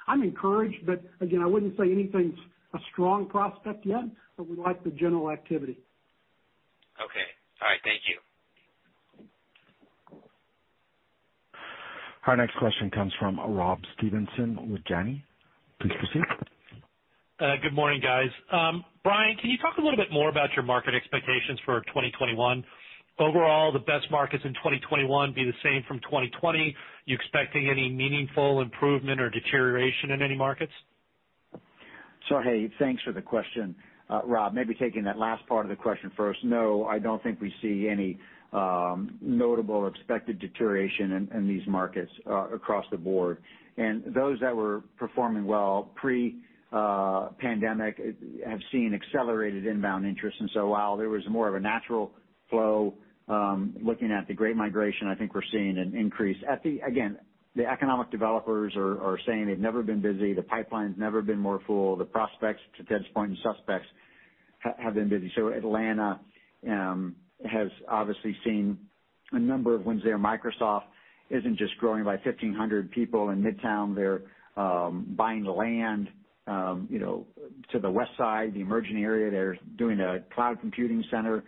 I'm encouraged, but again, I wouldn't say anything's a strong prospect yet, but we like the general activity. Okay. All right. Thank you. Our next question comes from Robert Stevenson with Janney. Please proceed. Good morning, guys. Brian, can you talk a little bit more about your market expectations for 2021? Overall, the best markets in 2021 be the same from 2020? You expecting any meaningful improvement or deterioration in any markets? Hey, thanks for the question, Rob. Maybe taking that last part of the question first. No, I don't think we see any notable expected deterioration in these markets across the board. Those that were performing well pre-pandemic have seen accelerated inbound interest. While there was more of a natural flow, looking at the great migration, I think we're seeing an increase. Again, the economic developers are saying they've never been busy. The pipeline's never been more full. The prospects, to Ted's point, and suspects have been busy. Atlanta has obviously seen a number of wins there. Microsoft isn't just growing by 1,500 people in Midtown. They're buying land to the west side, the emerging area. They're doing a cloud computing center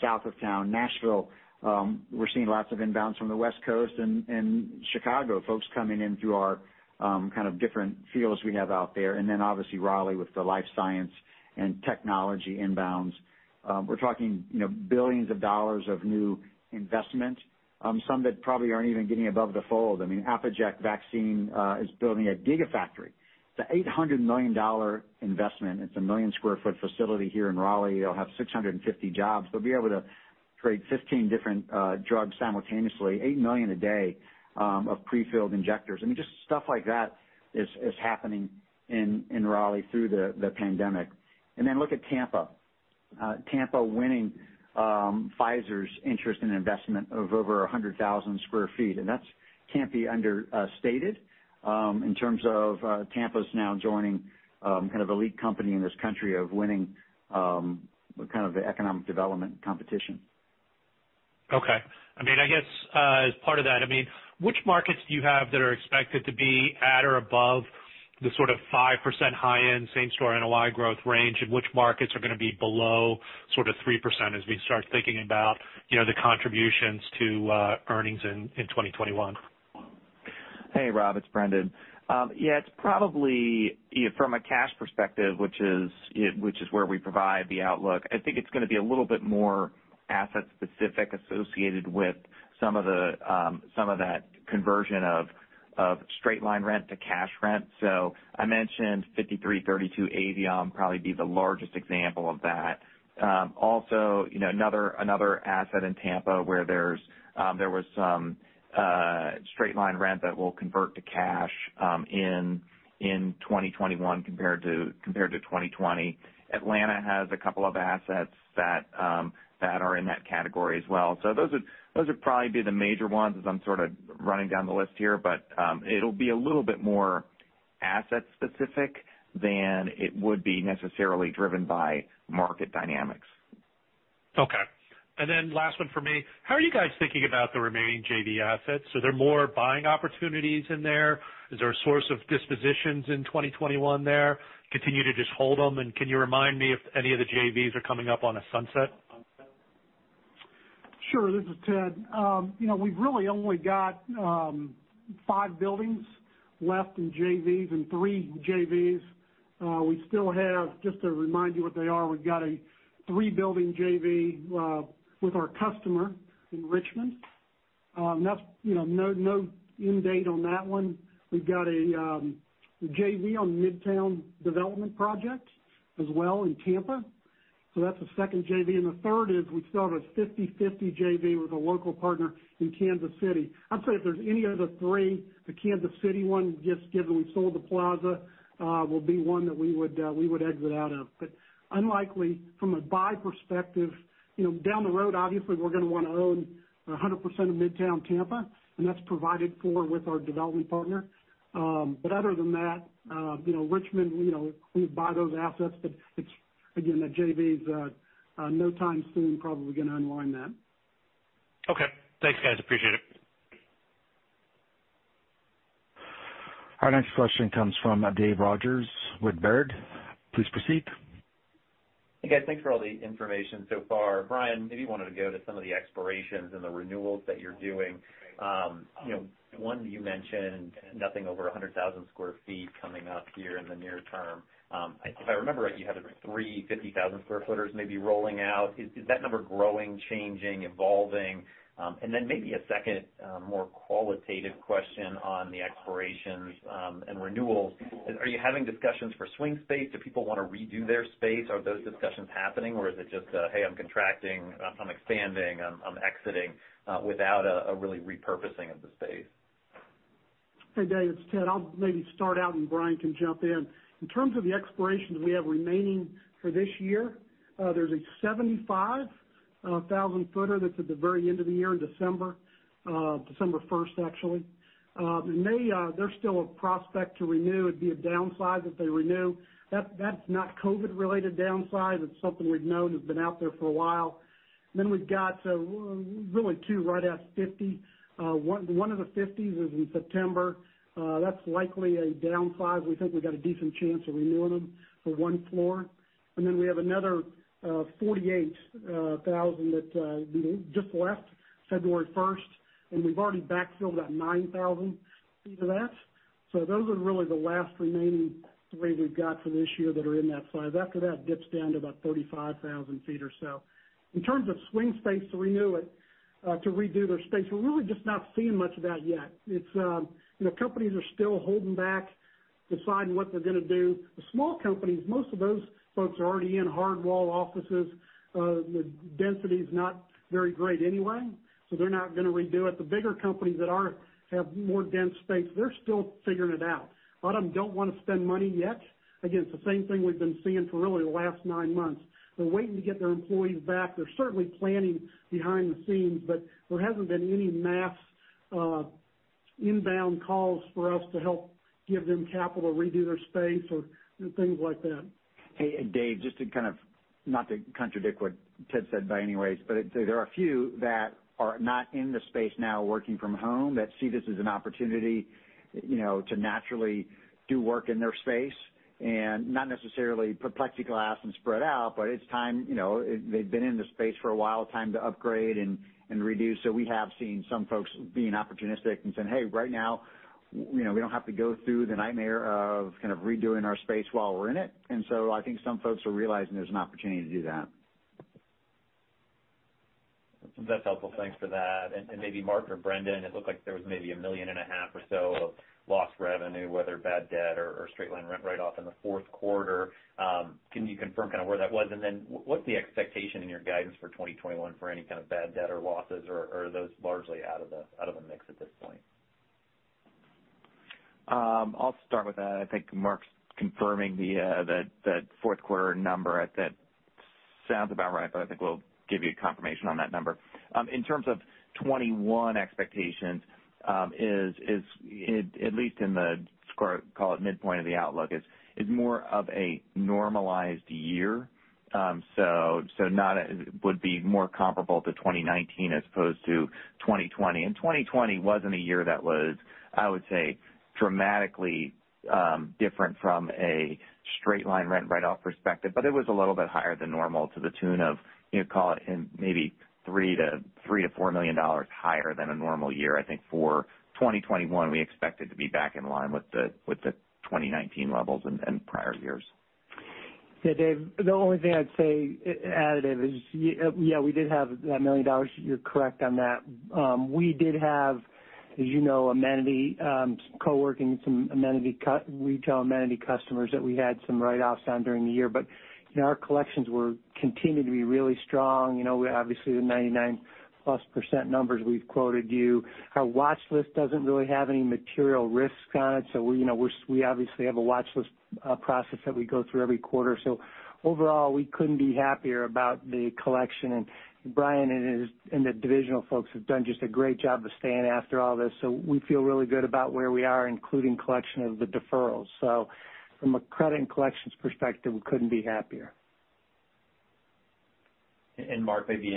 south of town. Nashville, we're seeing lots of inbounds from the West Coast. Chicago, folks coming in through our kind of different fields we have out there. Obviously Raleigh with the life science and technology inbounds. We're talking $ billions of new investment, some that probably aren't even getting above the fold. ApiJect Vaccine is building a giga factory. It's an $800 million investment. It's a 1 million sq ft facility here in Raleigh. It'll have 650 jobs. They'll be able to create 15 different drugs simultaneously, 8 million a day of prefilled injectors. Just stuff like that is happening in Raleigh through the pandemic. Look at Tampa. Tampa winning Pfizer's interest in investment of over 100,000 sq ft. That can't be understated in terms of Tampa's now joining kind of elite company in this country of winning kind of the economic development competition. Okay. I guess as part of that, which markets do you have that are expected to be at or above the sort of 5% high-end same store NOI growth range, and which markets are going to be below sort of 3% as we start thinking about the contributions to earnings in 2021? Hey, Rob, it's Brendan. Yeah, it's probably from a cash perspective, which is where we provide the outlook. I think it's going to be a little bit more asset specific associated with some of that conversion of straight line rent to cash rent. I mentioned 5332 Avion probably be the largest example of that. Also, another asset in Tampa where there was some straight line rent that will convert to cash in 2021 compared to 2020. Atlanta has a couple of assets that are in that category as well. Those would probably be the major ones as I'm sort of running down the list here. It'll be a little bit more asset specific than it would be necessarily driven by market dynamics. Okay. Last one from me. How are you guys thinking about the remaining JV assets? Are there more buying opportunities in there? Is there a source of dispositions in 2021 there? Continue to just hold them, and can you remind me if any of the JVs are coming up on a sunset? Sure. This is Ted. We've really only got five buildings left in JVs and three JVs. We still have, just to remind you what they are, we've got a three-building JV with our customer in Richmond. No end date on that one. We've got a JV on Midtown Development project as well in Tampa. That's the second JV. The third is we still have a 50/50 JV with a local partner in Kansas City. I'd say if there's any of the three, the Kansas City one, just given we sold the plaza, will be one that we would exit out of. Unlikely from a buy perspective. Down the road, obviously, we're going to want to own 100% of Midtown Tampa, and that's provided for with our development partner. Other than that, Richmond, we'd buy those assets. Again, that JV's no time soon probably going to unwind that. Okay. Thanks, guys, appreciate it. Our next question comes from Dave Rodgers with Baird. Please proceed. Hey, guys. Thanks for all the information so far. Brian, maybe you wanted to go to some of the expirations and the renewals that you're doing. One, you mentioned nothing over 100,000 square feet coming up here in the near term. If I remember it, you had three 50,000 square footers maybe rolling out. Is that number growing, changing, evolving? Then maybe a second more qualitative question on the expirations and renewals. Are you having discussions for swing space? Do people want to redo their space? Are those discussions happening or is it just a, "Hey, I'm contracting, I'm expanding, I'm exiting," without a really repurposing of the space? Hey, Dave, it's Ted. I'll maybe start out, and Brian can jump in. In terms of the expirations we have remaining for this year, there's a 75,000-footer that's at the very end of the year in December 1st, actually. They're still a prospect to renew. It'd be a downsize if they renew. That's not COVID-related downsize. It's something we've known has been out there for a while. Then we've got really two right at 50. One of the 50s is in September. That's likely a downsize. We think we've got a decent chance of renewing them for one floor. Then we have another 48,000 that just left February 1st, and we've already backfilled about 9,000 feet of that. Those are really the last remaining three we've got for this year that are in that size. After that, it dips down to about 35,000 feet or so. In terms of swing space to redo their space, we're really just not seeing much of that yet. The companies are still holding back, deciding what they're going to do. The small companies, most of those folks are already in hard-wall offices. The density's not very great anyway, so they're not going to redo it. The bigger companies that have more dense space, they're still figuring it out. A lot of them don't want to spend money yet. Again, it's the same thing we've been seeing for really the last nine months. They're waiting to get their employees back. They're certainly planning behind the scenes, but there hasn't been any mass inbound calls for us to help give them capital to redo their space or things like that. Hey, Dave, just to kind of, not to contradict what Ted said by any ways, there are a few that are not in the space now working from home that see this as an opportunity to naturally do work in their space and not necessarily put plexiglass and spread out. It's time, they've been in the space for a while, time to upgrade and redo. We have seen some folks being opportunistic and saying, "Hey, right now, we don't have to go through the nightmare of redoing our space while we're in it." I think some folks are realizing there's an opportunity to do that. That's helpful. Thanks for that. Maybe Mark or Brendan, it looked like there was maybe a million and a half or so of lost revenue, whether bad debt or straight-line rent write-off in the fourth quarter. Can you confirm kind of where that was? What's the expectation in your guidance for 2021 for any kind of bad debt or losses, or are those largely out of the mix at this point? I'll start with that. I think Mark's confirming the fourth quarter number. That sounds about right, I think we'll give you confirmation on that number. In terms of 2021 expectations, at least in the call it midpoint of the outlook, is more of a normalized year. Would be more comparable to 2019 as opposed to 2020. 2020 wasn't a year that was, I would say, dramatically different from a straight-line rent write-off perspective, it was a little bit higher than normal to the tune of call it maybe $3 million-$4 million higher than a normal year. I think for 2021, we expect it to be back in line with the 2019 levels and prior years. Dave, the only thing I'd say additive is, yeah, we did have that $1 million. You're correct on that. We did have, as you know, amenity co-working and some retail amenity customers that we had some write-offs on during the year. Our collections continue to be really strong. Obviously, the 99% plus numbers we've quoted you. Our watch list doesn't really have any material risks on it. We obviously have a watch list process that we go through every quarter. Overall, we couldn't be happier about the collection, and Brian and the divisional folks have done just a great job of staying after all this. We feel really good about where we are, including collection of the deferrals. From a credit and collections perspective, we couldn't be happier. Mark, maybe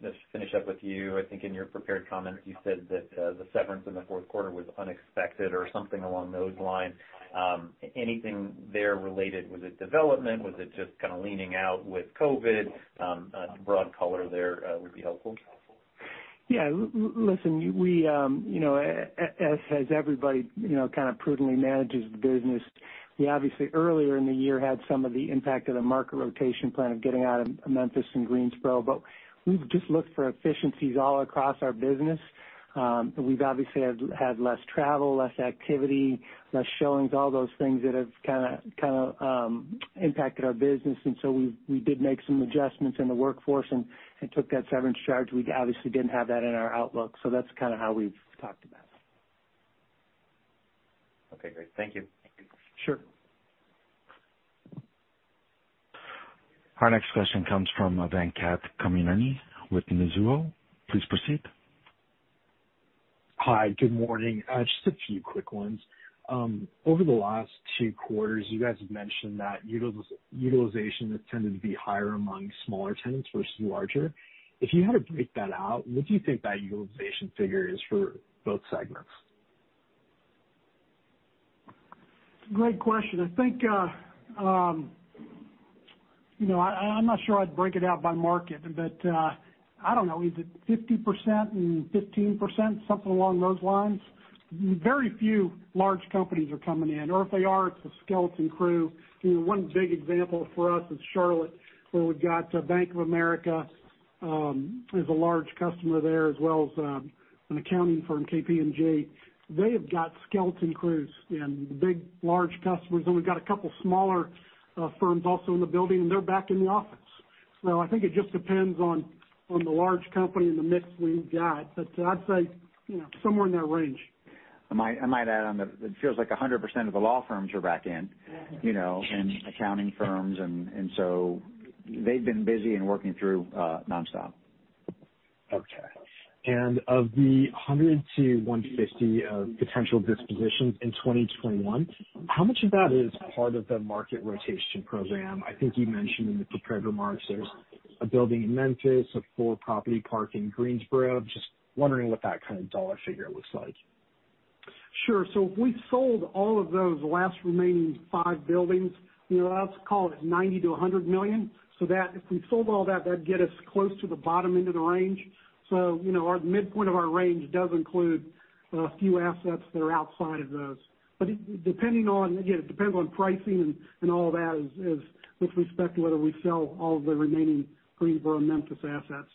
let's finish up with you. I think in your prepared comments, you said that the severance in the fourth quarter was unexpected or something along those lines. Anything there related, was it development? Was it just kind of leaning out with COVID? A broad color there would be helpful. Yeah. Listen, as everybody kind of prudently manages the business, we obviously earlier in the year had some of the impact of the market rotation plan of getting out of Memphis and Greensboro. We've just looked for efficiencies all across our business. We've obviously had less travel, less activity, less showings, all those things that have kind of impacted our business. We did make some adjustments in the workforce and took that severance charge. We obviously didn't have that in our outlook, so that's kind of how we've talked about it. Okay, great. Thank you. Sure. Our next question comes from Venkat Kommineni with Mizuho. Please proceed. Hi, good morning. Just a few quick ones. Over the last two quarters, you guys have mentioned that utilization has tended to be higher among smaller tenants versus larger. If you had to break that out, what do you think that utilization figure is for both segments? Great question. I'm not sure I'd break it out by market, but I don't know. Is it 50% and 15%? Something along those lines. Very few large companies are coming in, or if they are, it's a skeleton crew. One big example for us is Charlotte, where we've got Bank of America as a large customer there, as well as an accounting firm, KPMG. They have got skeleton crews and big, large customers, and we've got a couple smaller firms also in the building, and they're back in the office. I think it just depends on the large company and the mix we've got. I'd say somewhere in that range. I might add on that it feels like 100% of the law firms are back in. Yeah. Accounting firms. They've been busy and working through nonstop. Okay. Of the 100-150 potential dispositions in 2021, how much of that is part of the market rotation program? I think you mentioned in the prepared remarks there's a building in Memphis, a four-property park in Greensboro. Just wondering what that kind of dollar figure looks like. Sure. If we sold all of those last remaining five buildings, I'll call it $90 million-$100 million, so that if we sold all that'd get us close to the bottom end of the range. Our midpoint of our range does include a few assets that are outside of those. Again, it depends on pricing, and all of that is with respect to whether we sell all of the remaining Greensboro and Memphis assets.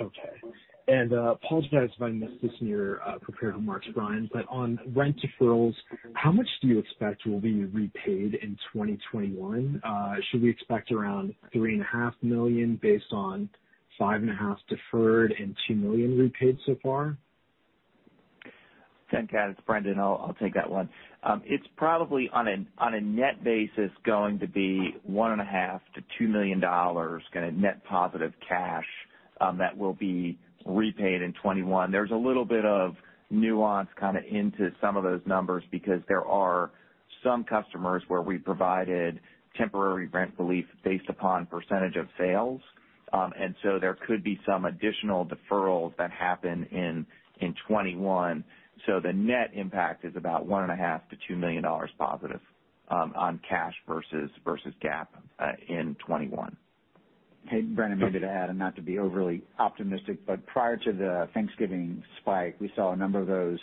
Okay. Apologize if I missed this in your prepared remarks, Brian, on rent deferrals, how much do you expect will be repaid in 2021? Should we expect around three and a half million based on five and a half deferred and $2 million repaid so far? Thanks, guys. It's Brendan. I'll take that one. It's probably, on a net basis, going to be $1.5 million-$2 million kind of net positive cash that will be repaid in 2021. There's a little bit of nuance kind of into some of those numbers because there are some customers where we provided temporary rent relief based upon percentage of sales. There could be some additional deferrals that happen in 2021. The net impact is about $1.5 million-$2 million positive on cash versus GAAP in 2021. Hey, Brendan, maybe to add, and not to be overly optimistic, but prior to the Thanksgiving spike, we saw a number of those,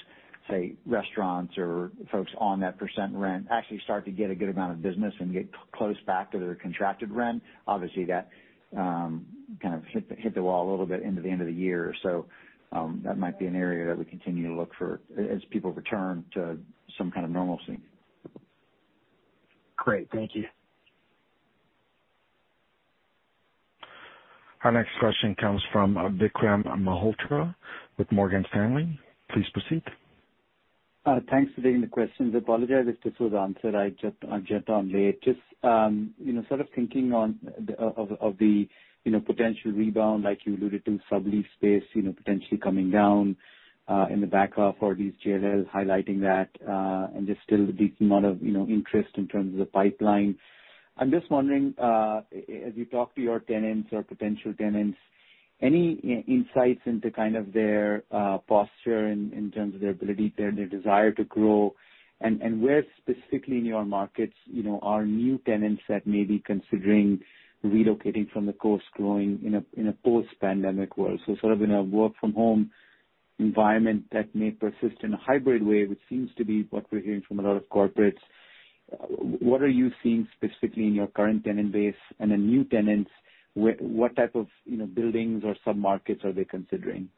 say, restaurants or folks on that % rent actually start to get a good amount of business and get close back to their contracted rent. Obviously, that kind of hit the wall a little bit into the end of the year, so that might be an area that we continue to look for as people return to some kind of normalcy. Great. Thank you. Our next question comes from Vikram Malhotra with Morgan Stanley. Please proceed. Thanks for taking the questions. I apologize if this was answered. I jumped on late. Sort of thinking of the potential rebound, like you alluded to, in the sublease space potentially coming down in the back half or these JLL highlighting that, and there's still a decent amount of interest in terms of the pipeline. I'm wondering, as you talk to your tenants or potential tenants, any insights into kind of their posture in terms of their ability, their desire to grow, and where specifically in your markets are new tenants that may be considering relocating from the coast growing in a post-pandemic world? Sort of in a work-from-home environment that may persist in a hybrid way, which seems to be what we're hearing from a lot of corporates. What are you seeing specifically in your current tenant base? New tenants, what type of buildings or sub-markets are they considering?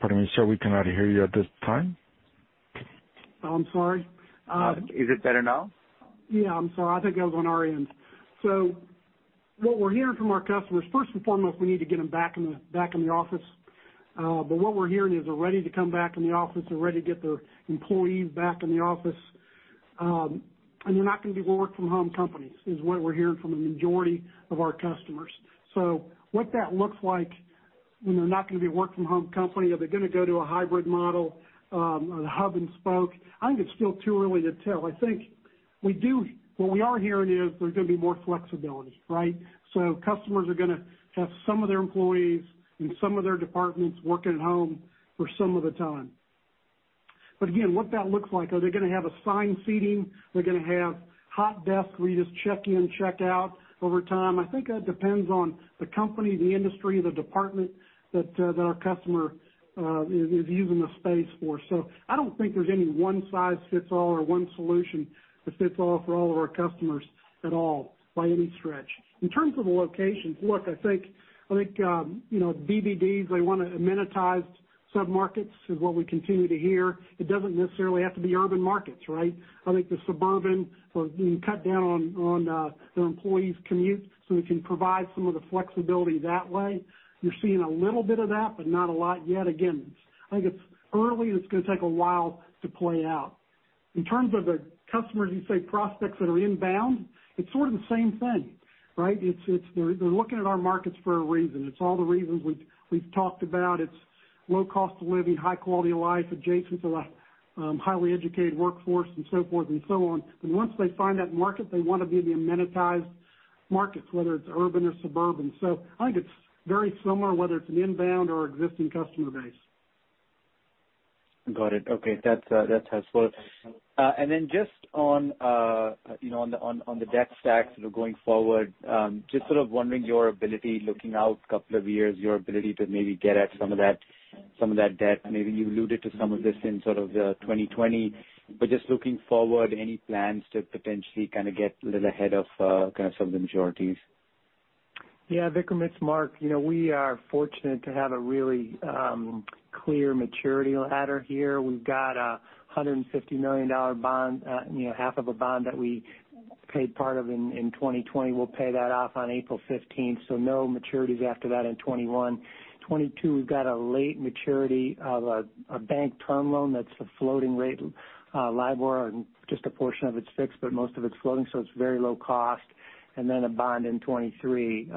Pardon me, sir, we cannot hear you at this time. I'm sorry. Is it better now? Yeah. I'm sorry. I think that was on our end. What we're hearing from our customers, first and foremost, we need to get them back in the office. What we're hearing is they're ready to come back in the office. They're ready to get their employees back in the office. They're not going to be work-from-home companies, is what we're hearing from a majority of our customers. What that looks like when they're not going to be a work-from-home company. Are they going to go to a hybrid model or the hub and spoke? I think it's still too early to tell. I think what we are hearing is there's going to be more flexibility, right? Customers are going to have some of their employees and some of their departments working at home for some of the time. Again, what that looks like, are they going to have assigned seating? Are they going to have hot desk where you just check in, check out over time? I think that depends on the company, the industry, the department that our customer is using the space for. I don't think there's any one size fits all or one solution that fits all for all of our customers at all, by any stretch. In terms of the locations, look, I think, CBDs, they want an amenitized submarkets is what we continue to hear. It doesn't necessarily have to be urban markets, right? I think the suburban, or cut down on their employees' commutes, so we can provide some of the flexibility that way. You're seeing a little bit of that, but not a lot yet. Again, I think it's early, and it's going to take a while to play out. In terms of the customers you say prospects that are inbound, it's sort of the same thing, right? They're looking at our markets for a reason. It's all the reasons we've talked about. It's low cost of living, high quality of life, adjacent to a highly educated workforce and so forth and so on. Once they find that market, they want to be in the amenitized markets, whether it's urban or suburban. I think it's very similar, whether it's an inbound or existing customer base. Got it. Okay. That's helpful. Then just on the debt stack sort of going forward, just sort of wondering your ability, looking out a couple of years, your ability to maybe get at some of that debt. Maybe you alluded to some of this in sort of 2020, just looking forward, any plans to potentially kind of get a little ahead of kind of some of the maturities? Vikram, it's Mark. We are fortunate to have a really clear maturity ladder here. We've got $150 million bond, half of a bond that we paid part of in 2020. We'll pay that off on April 15th. No maturities after that in 2021. 2022, we've got a late maturity of a bank term loan that's a floating rate, LIBOR, and just a portion of it's fixed, but most of it's floating, so it's very low cost. A bond in 2023.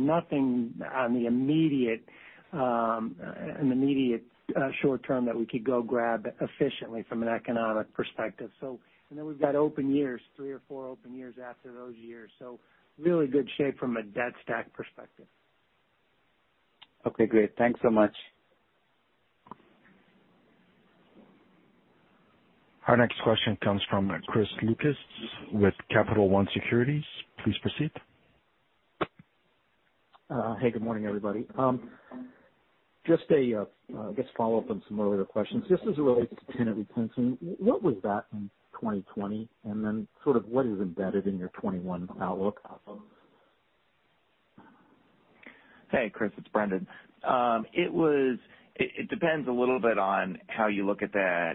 Nothing on the immediate short-term that we could go grab efficiently from an economic perspective. We've got open years, three or four open years after those years. Really good shape from a debt stack perspective. Okay, great. Thanks so much. Our next question comes from Chris Lucas with Capital One Securities. Please proceed. Hey, good morning, everybody. I guess, follow-up on some earlier questions. Just as it relates to tenant retention, what was that in 2020? Sort of what is embedded in your 2021 outlook? Hey, Chris. It's Brendan. It depends a little bit on how you look at that,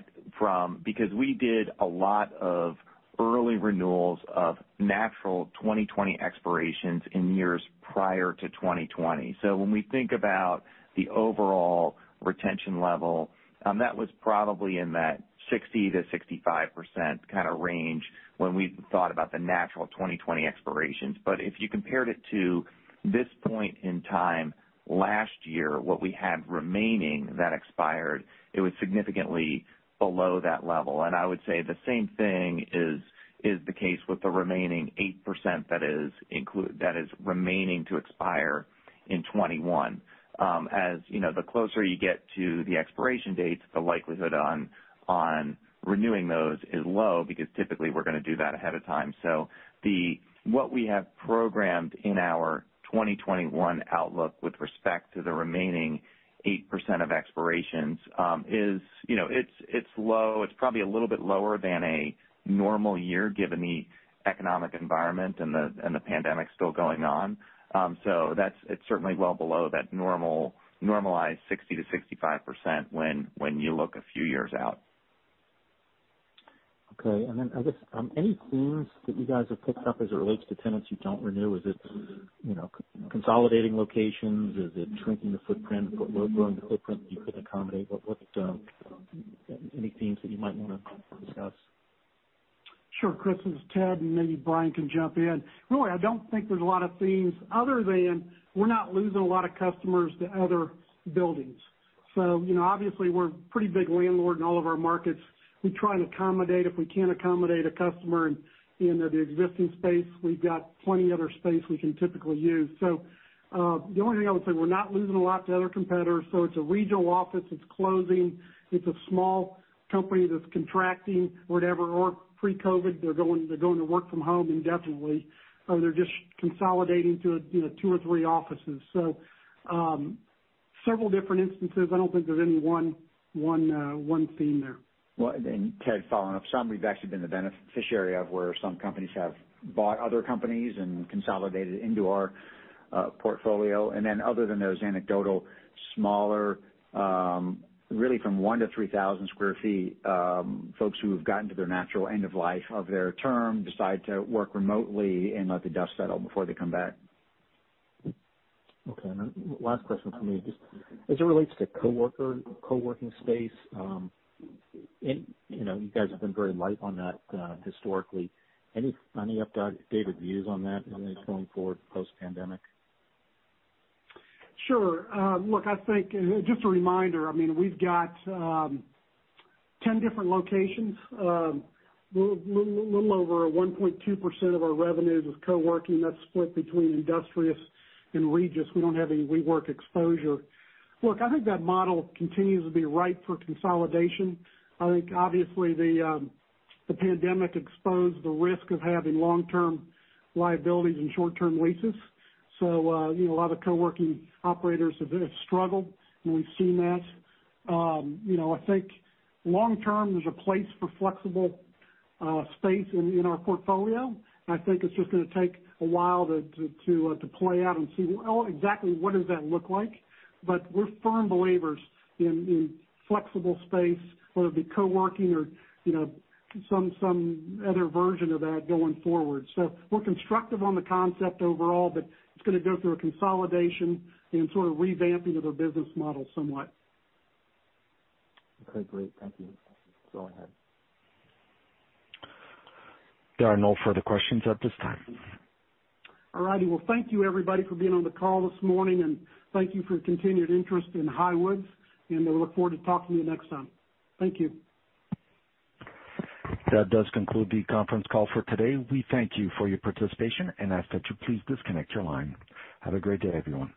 because we did a lot of early renewals of natural 2020 expirations in years prior to 2020. When we think about the overall retention level, that was probably in that 60%-65% kind of range when we thought about the natural 2020 expirations. If you compared it to this point in time last year, what we had remaining that expired, it was significantly below that level. I would say the same thing is the case with the remaining 8% that is remaining to expire in 2021. The closer you get to the expiration dates, the likelihood on renewing those is low because typically we're going to do that ahead of time. What we have programmed in our 2021 outlook with respect to the remaining 8% of expirations is low. It's probably a little bit lower than a normal year, given the economic environment and the pandemic still going on. It's certainly well below that normalized 60%-65% when you look a few years out. Okay. I guess, any themes that you guys have picked up as it relates to tenants you don't renew? Is it consolidating locations? Is it shrinking the footprint, growing the footprint that you couldn't accommodate? Any themes that you might want to discuss? Sure, Chris. It's Ted, Maybe Brian can jump in. Really, I don't think there's a lot of themes other than we're not losing a lot of customers to other buildings. Obviously we're a pretty big landlord in all of our markets. We try and accommodate. If we can't accommodate a customer in the existing space, we've got plenty other space we can typically use. The only thing I would say, we're not losing a lot to other competitors. It's a regional office that's closing. It's a small company that's contracting, whatever, or pre-COVID, they're going to work from home indefinitely, or they're just consolidating to two or three offices. Several different instances. I don't think there's any one theme there. Ted, following up, some we've actually been the beneficiary of, where some companies have bought other companies and consolidated into our portfolio. Other than those anecdotal, smaller really from 1-3,000 square feet folks who have gotten to their natural end of life of their term, decide to work remotely and let the dust settle before they come back. Okay. Last question from me. Just as it relates to co-working space, you guys have been very light on that historically. Any updated views on that as it relates going forward post-pandemic? Sure. Look, I think just a reminder, we've got 10 different locations. Little over 1.2% of our revenues is co-working. That's split between Industrious and Regus. We don't have any WeWork exposure. Look, I think that model continues to be ripe for consolidation. I think obviously the pandemic exposed the risk of having long-term liabilities and short-term leases. A lot of the co-working operators have struggled, and we've seen that. I think long-term, there's a place for flexible space in our portfolio. I think it's just going to take a while to play out and see exactly what does that look like. We're firm believers in flexible space, whether it be co-working or some other version of that going forward. We're constructive on the concept overall, but it's going to go through a consolidation and sort of revamping of their business model somewhat. Okay, great. Thank you. Go ahead. There are no further questions at this time. Well, thank you everybody for being on the call this morning, and thank you for your continued interest in Highwoods, and we look forward to talking to you next time. Thank you. That does conclude the conference call for today. We thank you for your participation and ask that you please disconnect your line. Have a great day, everyone.